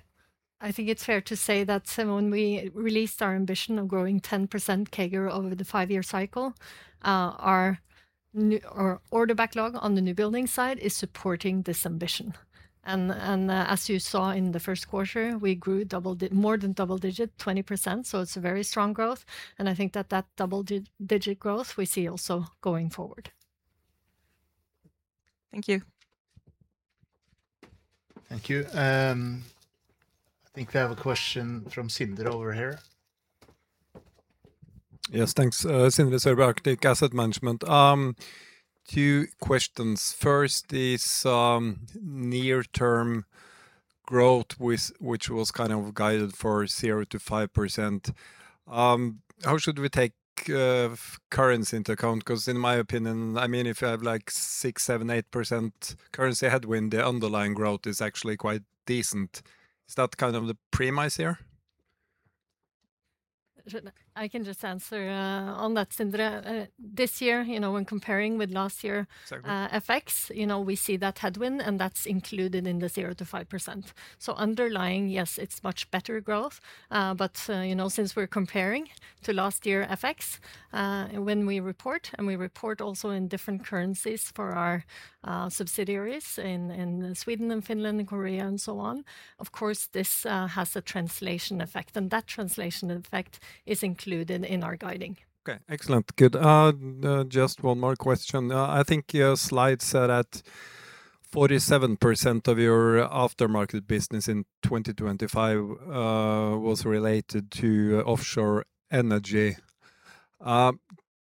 I think it's fair to say that when we released our ambition of growing 10% CAGR over the five-year cycle, our order backlog on the new building side is supporting this ambition. As you saw in the first quarter, we grew more than double-digit, 20%, it's a very strong growth, and I think that that double-digit growth we see also going forward. Thank you. Thank you. I think we have a question from Sindre over here. Yes, thanks. Sindre Sørbye, Arctic Asset Management. Two questions. First is near-term growth, which was guided for 0% to 5%. How should we take currency into account? Because in my opinion, if you have 6%, 7%, 8% currency headwind, the underlying growth is actually quite decent. Is that the premise here? I can just answer on that, Sindre. This year, when comparing with last year Sorry FX, we see that headwind, and that's included in the 0% to 5%. Underlying, yes, it's much better growth. Since we're comparing to last year FX, when we report, and we report also in different currencies for our subsidiaries in Sweden and Finland and Korea and so on, of course, this has a translation effect, and that translation effect is included in our guiding. Okay. Excellent. Good. Just one more question. I think your slide said that 47% of your aftermarket business in 2025 was related to offshore energy.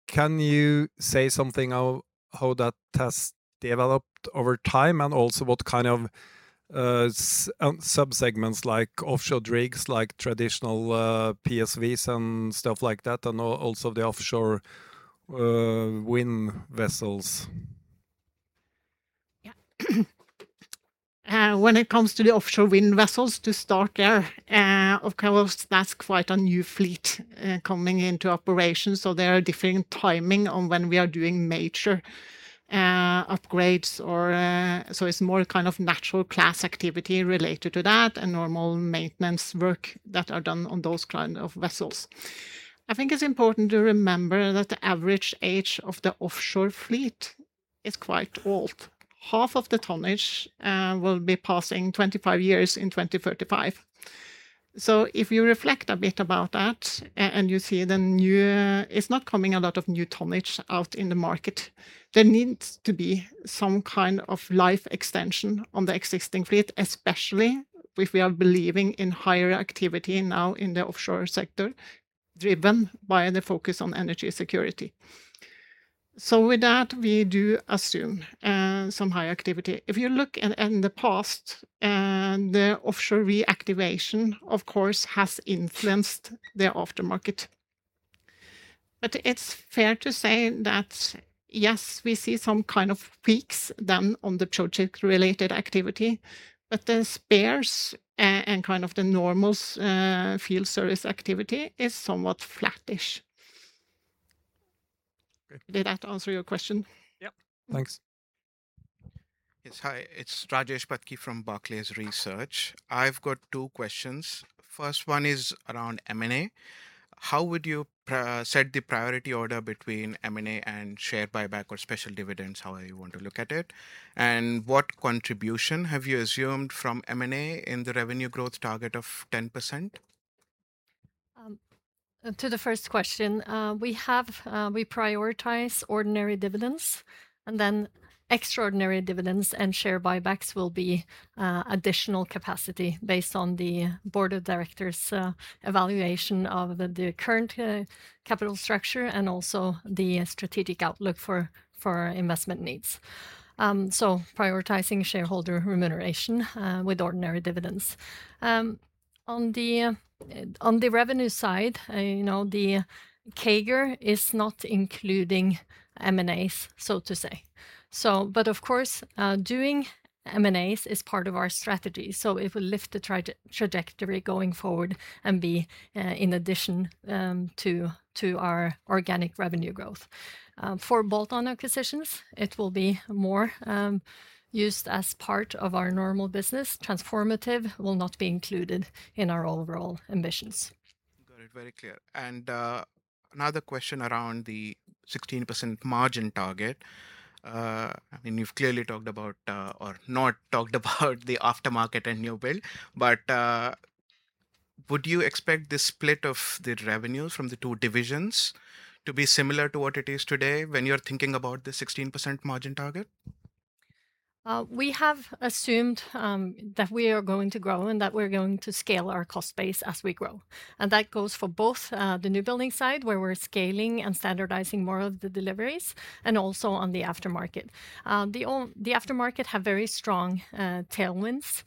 Can you say something how that has developed over time, and also what kind of subsegments, like offshore rigs, like traditional PSVs and stuff like that, and also the offshore wind vessels? Yeah. When it comes to the offshore wind vessels, to start there, of course, that's quite a new fleet coming into operation, there are different timing on when we are doing major upgrades. It's more natural class activity related to that and normal maintenance work that are done on those kind of vessels. I think it's important to remember that the average age of the offshore fleet is quite old. Half of the tonnage will be passing 25 years in 2035. If you reflect a bit about that, and you see it's not coming a lot of new tonnage out in the market, there needs to be some kind of life extension on the existing fleet, especially if we are believing in higher activity now in the offshore sector, driven by the focus on energy security. With that, we do assume some high activity. If you look in the past, the offshore reactivation, of course, has influenced the aftermarket. It's fair to say that, yes, we see some kind of peaks then on the project-related activity, but the spares and the normal field service activity is somewhat flattish. Okay. Did that answer your question? Yep. Thanks. Yes. Hi, it's Rajesh Patki from Barclays Research. I've got two questions. First one is around M&A. How would you set the priority order between M&A and share buyback or special dividends, however you want to look at it? What contribution have you assumed from M&A in the revenue growth target of 10%? To the first question, we prioritize ordinary dividends, then extraordinary dividends and share buybacks will be additional capacity based on the board of directors' evaluation of the current capital structure and also the strategic outlook for our investment needs. Prioritizing shareholder remuneration with ordinary dividends. On the revenue side, the CAGR is not including M&As, so to say. Of course, doing M&As is part of our strategy, so it will lift the trajectory going forward and be in addition to our organic revenue growth. For bolt-on acquisitions, it will be more used as part of our normal business. Transformative will not be included in our overall ambitions. Got it. Very clear. Another question around the 16% margin target. You've clearly talked about, or not talked about the aftermarket and new build, but would you expect the split of the revenues from the two divisions to be similar to what it is today when you're thinking about the 16% margin target? We have assumed that we are going to grow and that we're going to scale our cost base as we grow. That goes for both the new building side, where we're scaling and standardizing more of the deliveries, and also on the aftermarket. The aftermarket have very strong tailwinds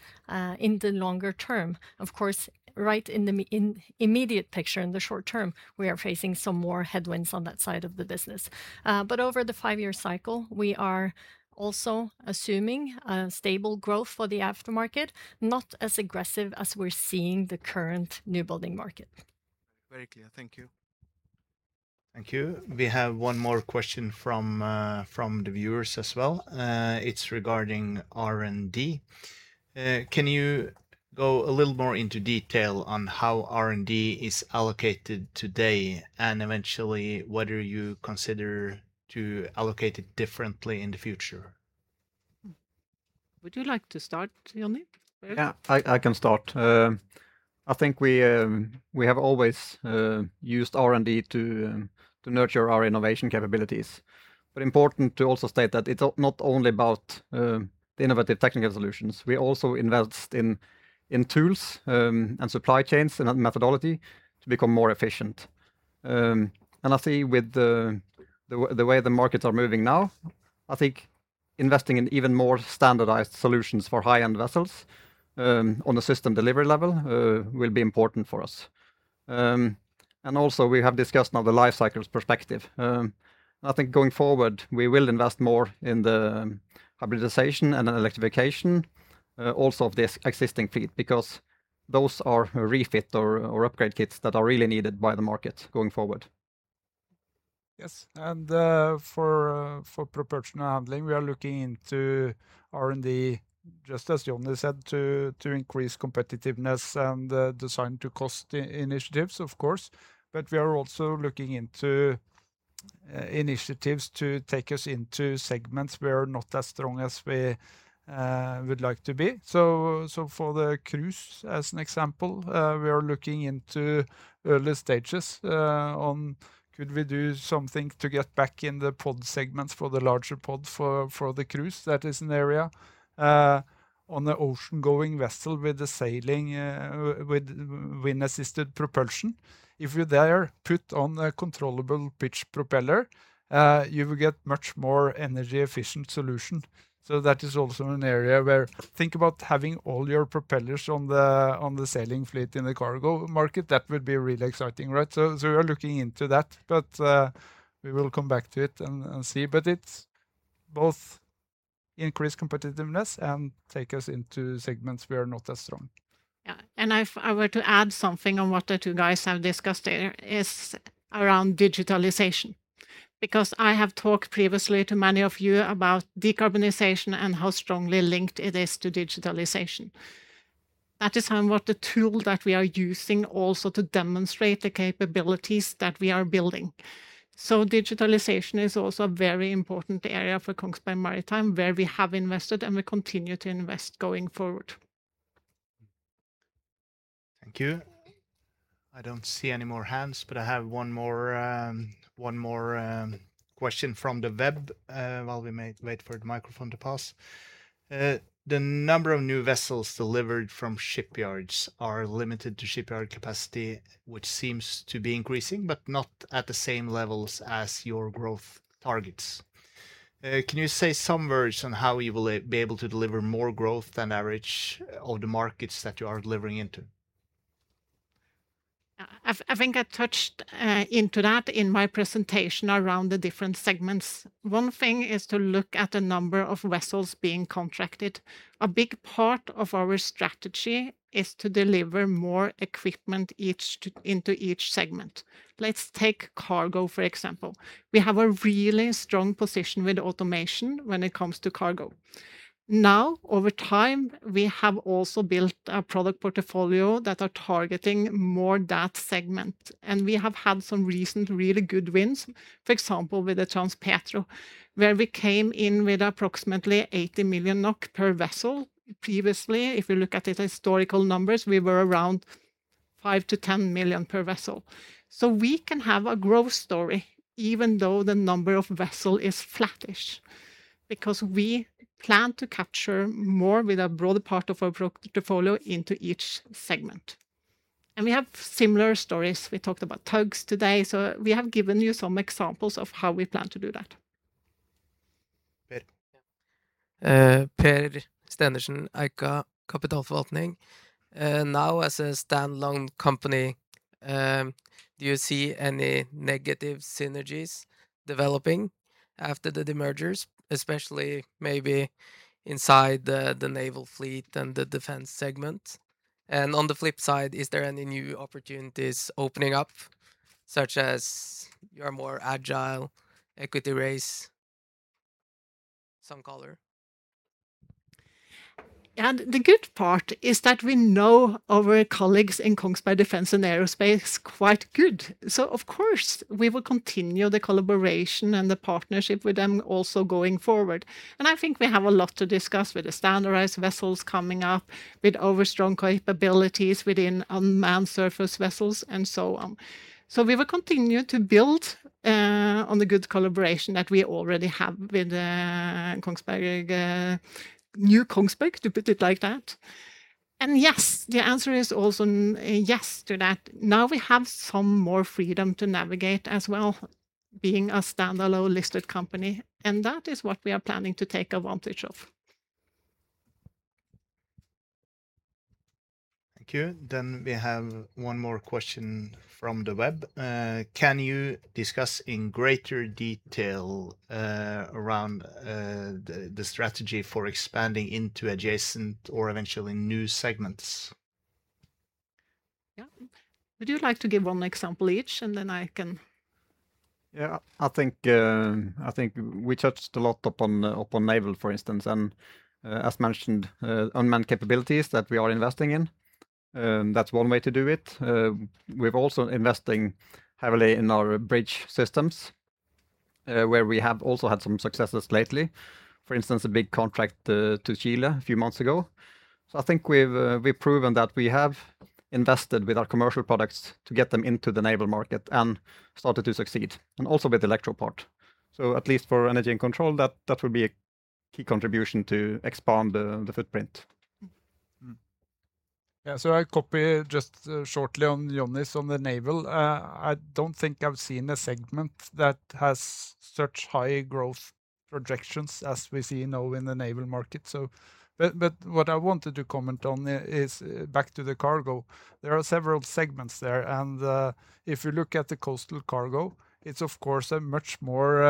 in the longer term. Of course, right in the immediate picture, in the short term, we are facing some more headwinds on that side of the business. Over the five-year cycle, we are also assuming stable growth for the aftermarket, not as aggressive as we're seeing the current new building market. Very clear. Thank you. Thank you. We have one more question from the viewers as well. It is regarding R&D. Can you go a little more into detail on how R&D is allocated today, and eventually whether you consider to allocate it differently in the future? Would you like to start, Johnny? Yeah, I can start. I think we have always used R&D to nurture our innovation capabilities. Important to also state that it is not only about the innovative technical solutions. We also invest in tools and supply chains and methodology to become more efficient. I see with the way the markets are moving now, I think investing in even more standardized solutions for high-end vessels on a system delivery level will be important for us. Also, we have discussed now the life cycles perspective. I think going forward, we will invest more in the hybridization and electrification also of the existing fleet, because those are refit or upgrade kits that are really needed by the market going forward. Yes. For Propulsion and Handling, we are looking into R&D, just as Johnny said, to increase competitiveness and design to cost initiatives, of course. We are also looking into initiatives to take us into segments we are not as strong as we would like to be. For the cruise, as an example, we are looking into early stages on could we do something to get back in the pod segments for the larger pod for the cruise. That is an area. On the ocean-going vessel with the sailing, with wind-assisted propulsion, if you there put on a controllable pitch propeller, you will get much more energy efficient solution. That is also an area where think about having all your propellers on the sailing fleet in the cargo market. That would be really exciting, right? We are looking into that, we will come back to it and see. It is both increase competitiveness and take us into segments we are not as strong. Yeah. If I were to add something on what the two guys have discussed here is around digitalization. I have talked previously to many of you about decarbonization and how strongly linked it is to digitalization. That is the tool that we are using also to demonstrate the capabilities that we are building. Digitalization is also a very important area for Kongsberg Maritime, where we have invested, and we continue to invest going forward. Thank you. I don't see any more hands, but I have one more question from the web while we wait for the microphone to pass. The number of new vessels delivered from shipyards are limited to shipyard capacity, which seems to be increasing, but not at the same levels as your growth targets. Can you say some words on how you will be able to deliver more growth than average of the markets that you are delivering into? I think I touched into that in my presentation around the different segments. One thing is to look at the number of vessels being contracted. A big part of our strategy is to deliver more equipment into each segment. Let's take cargo, for example. We have a really strong position with automation when it comes to cargo. Over time, we have also built a product portfolio that is targeting more that segment, and we have had some recent really good wins. For example, with the Transpetro, where we came in with approximately 80 million NOK per vessel. Previously, if you look at the historical numbers, we were around NOK five million-10 million per vessel. We can have a growth story even though the number of vessels is flattish, because we plan to capture more with a broader part of our product portfolio into each segment. We have similar stories. We talked about tugs today, we have given you some examples of how we plan to do that. Per. Per Stenersen, Eika Kapitalforvaltning. As a standalone company, do you see any negative synergies developing after the demergers, especially maybe inside the naval fleet and the defense segment? On the flip side, are there any new opportunities opening up, such as you are more agile, equity raise? Some color. The good part is that we know our colleagues in Kongsberg Defence & Aerospace quite well. Of course, we will continue the collaboration and the partnership with them also going forward. I think we have a lot to discuss with the standardized vessels coming up, with our strong capabilities within unmanned surface vessels and so on. We will continue to build on the good collaboration that we already have with Kongsberg Gruppen, to put it like that. Yes, the answer is also yes to that. Now we have some more freedom to navigate as well, being a standalone listed company, and that is what we are planning to take advantage of. Thank you. We have one more question from the web. Can you discuss in greater detail around the strategy for expanding into adjacent or eventually new segments? Yeah. Would you like to give one example each, I can? Yeah, I think we touched a lot upon naval, for instance. As mentioned, unmanned capabilities that we are investing in. That's one way to do it. We're also investing heavily in our bridge systems, where we have also had some successes lately. For instance, a big contract to Chile a few months ago. I think we've proven that we have invested with our commercial products to get them into the naval market and started to succeed, and also with the electro part. At least for Energy and Control, that would be a key contribution to expand the footprint. Yeah. I copy just shortly on Johnny's on the naval. I don't think I've seen a segment that has such high growth projections as we see now in the naval market. What I wanted to comment on is back to the cargo. There are several segments there, and if you look at the coastal cargo, it's of course a much more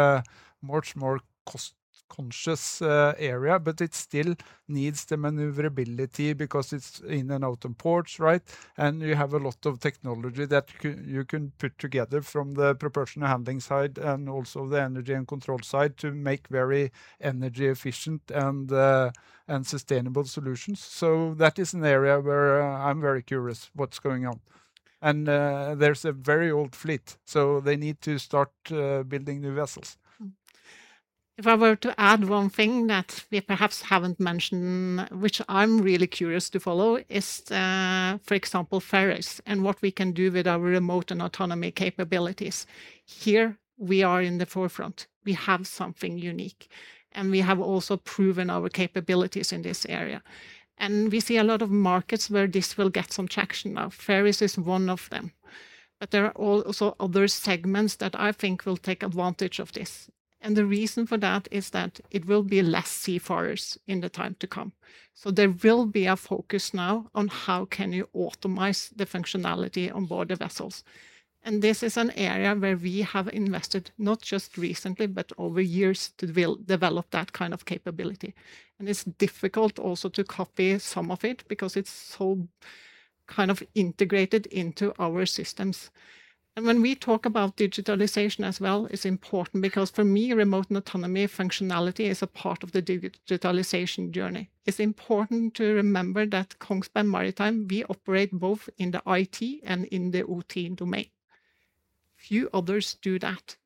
cost-conscious area, but it still needs the maneuverability because it's in and out of ports, right? You have a lot of technology that you can put together from the Propulsion and Handling side, and also the Energy and Control side to make very energy efficient and sustainable solutions. That is an area where I'm very curious what's going on. There's a very old fleet, so they need to start building new vessels. If I were to add one thing that we perhaps haven't mentioned, which I'm really curious to follow is, for example, ferries and what we can do with our remote and autonomy capabilities. Here we are in the forefront. We have something unique, and we have also proven our capabilities in this area. We see a lot of markets where this will get some traction now. Ferries is one of them, but there are also other segments that I think will take advantage of this. The reason for that is that it will be less seafarers in the time to come. There will be a focus now on how can you automize the functionality on board the vessels. This is an area where we have invested, not just recently, but over years to develop that kind of capability. It's difficult also to copy some of it because it's so integrated into our systems. When we talk about digitalization as well, it's important because for me, remote and autonomy functionality is a part of the digitalization journey. It's important to remember that Kongsberg Maritime, we operate both in the IT and in the OT domain. Few others do that.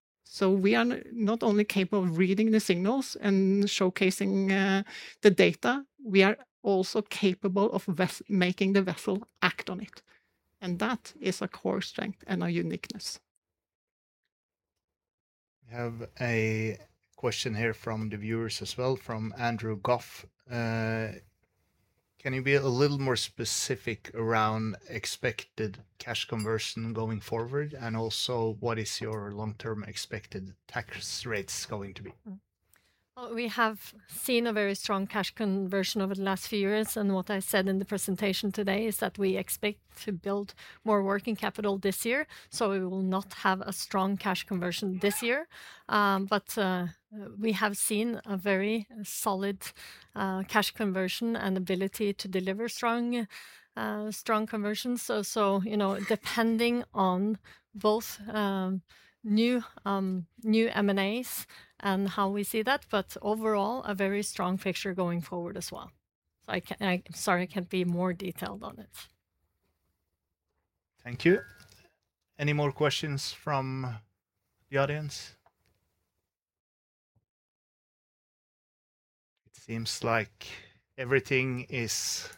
We are not only capable of reading the signals and showcasing the data, we are also capable of making the vessel act on it. That is a core strength and a uniqueness. We have a question here from the viewers as well, from Andrew Goff. Can you be a little more specific around expected cash conversion going forward? Also, what is your long-term expected tax rates going to be? We have seen a very strong cash conversion over the last few years. What I said in the presentation today is that we expect to build more working capital this year. We will not have a strong cash conversion this year. We have seen a very solid cash conversion and ability to deliver strong conversion. Depending on both new M&As and how we see that, but overall, a very strong picture going forward as well. I'm sorry I can't be more detailed on it. Thank you. Any more questions from the audience? It seems like everything is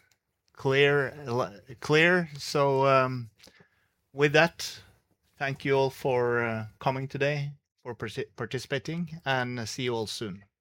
clear. With that, thank you all for coming today, for participating, and see you all soon. Thank you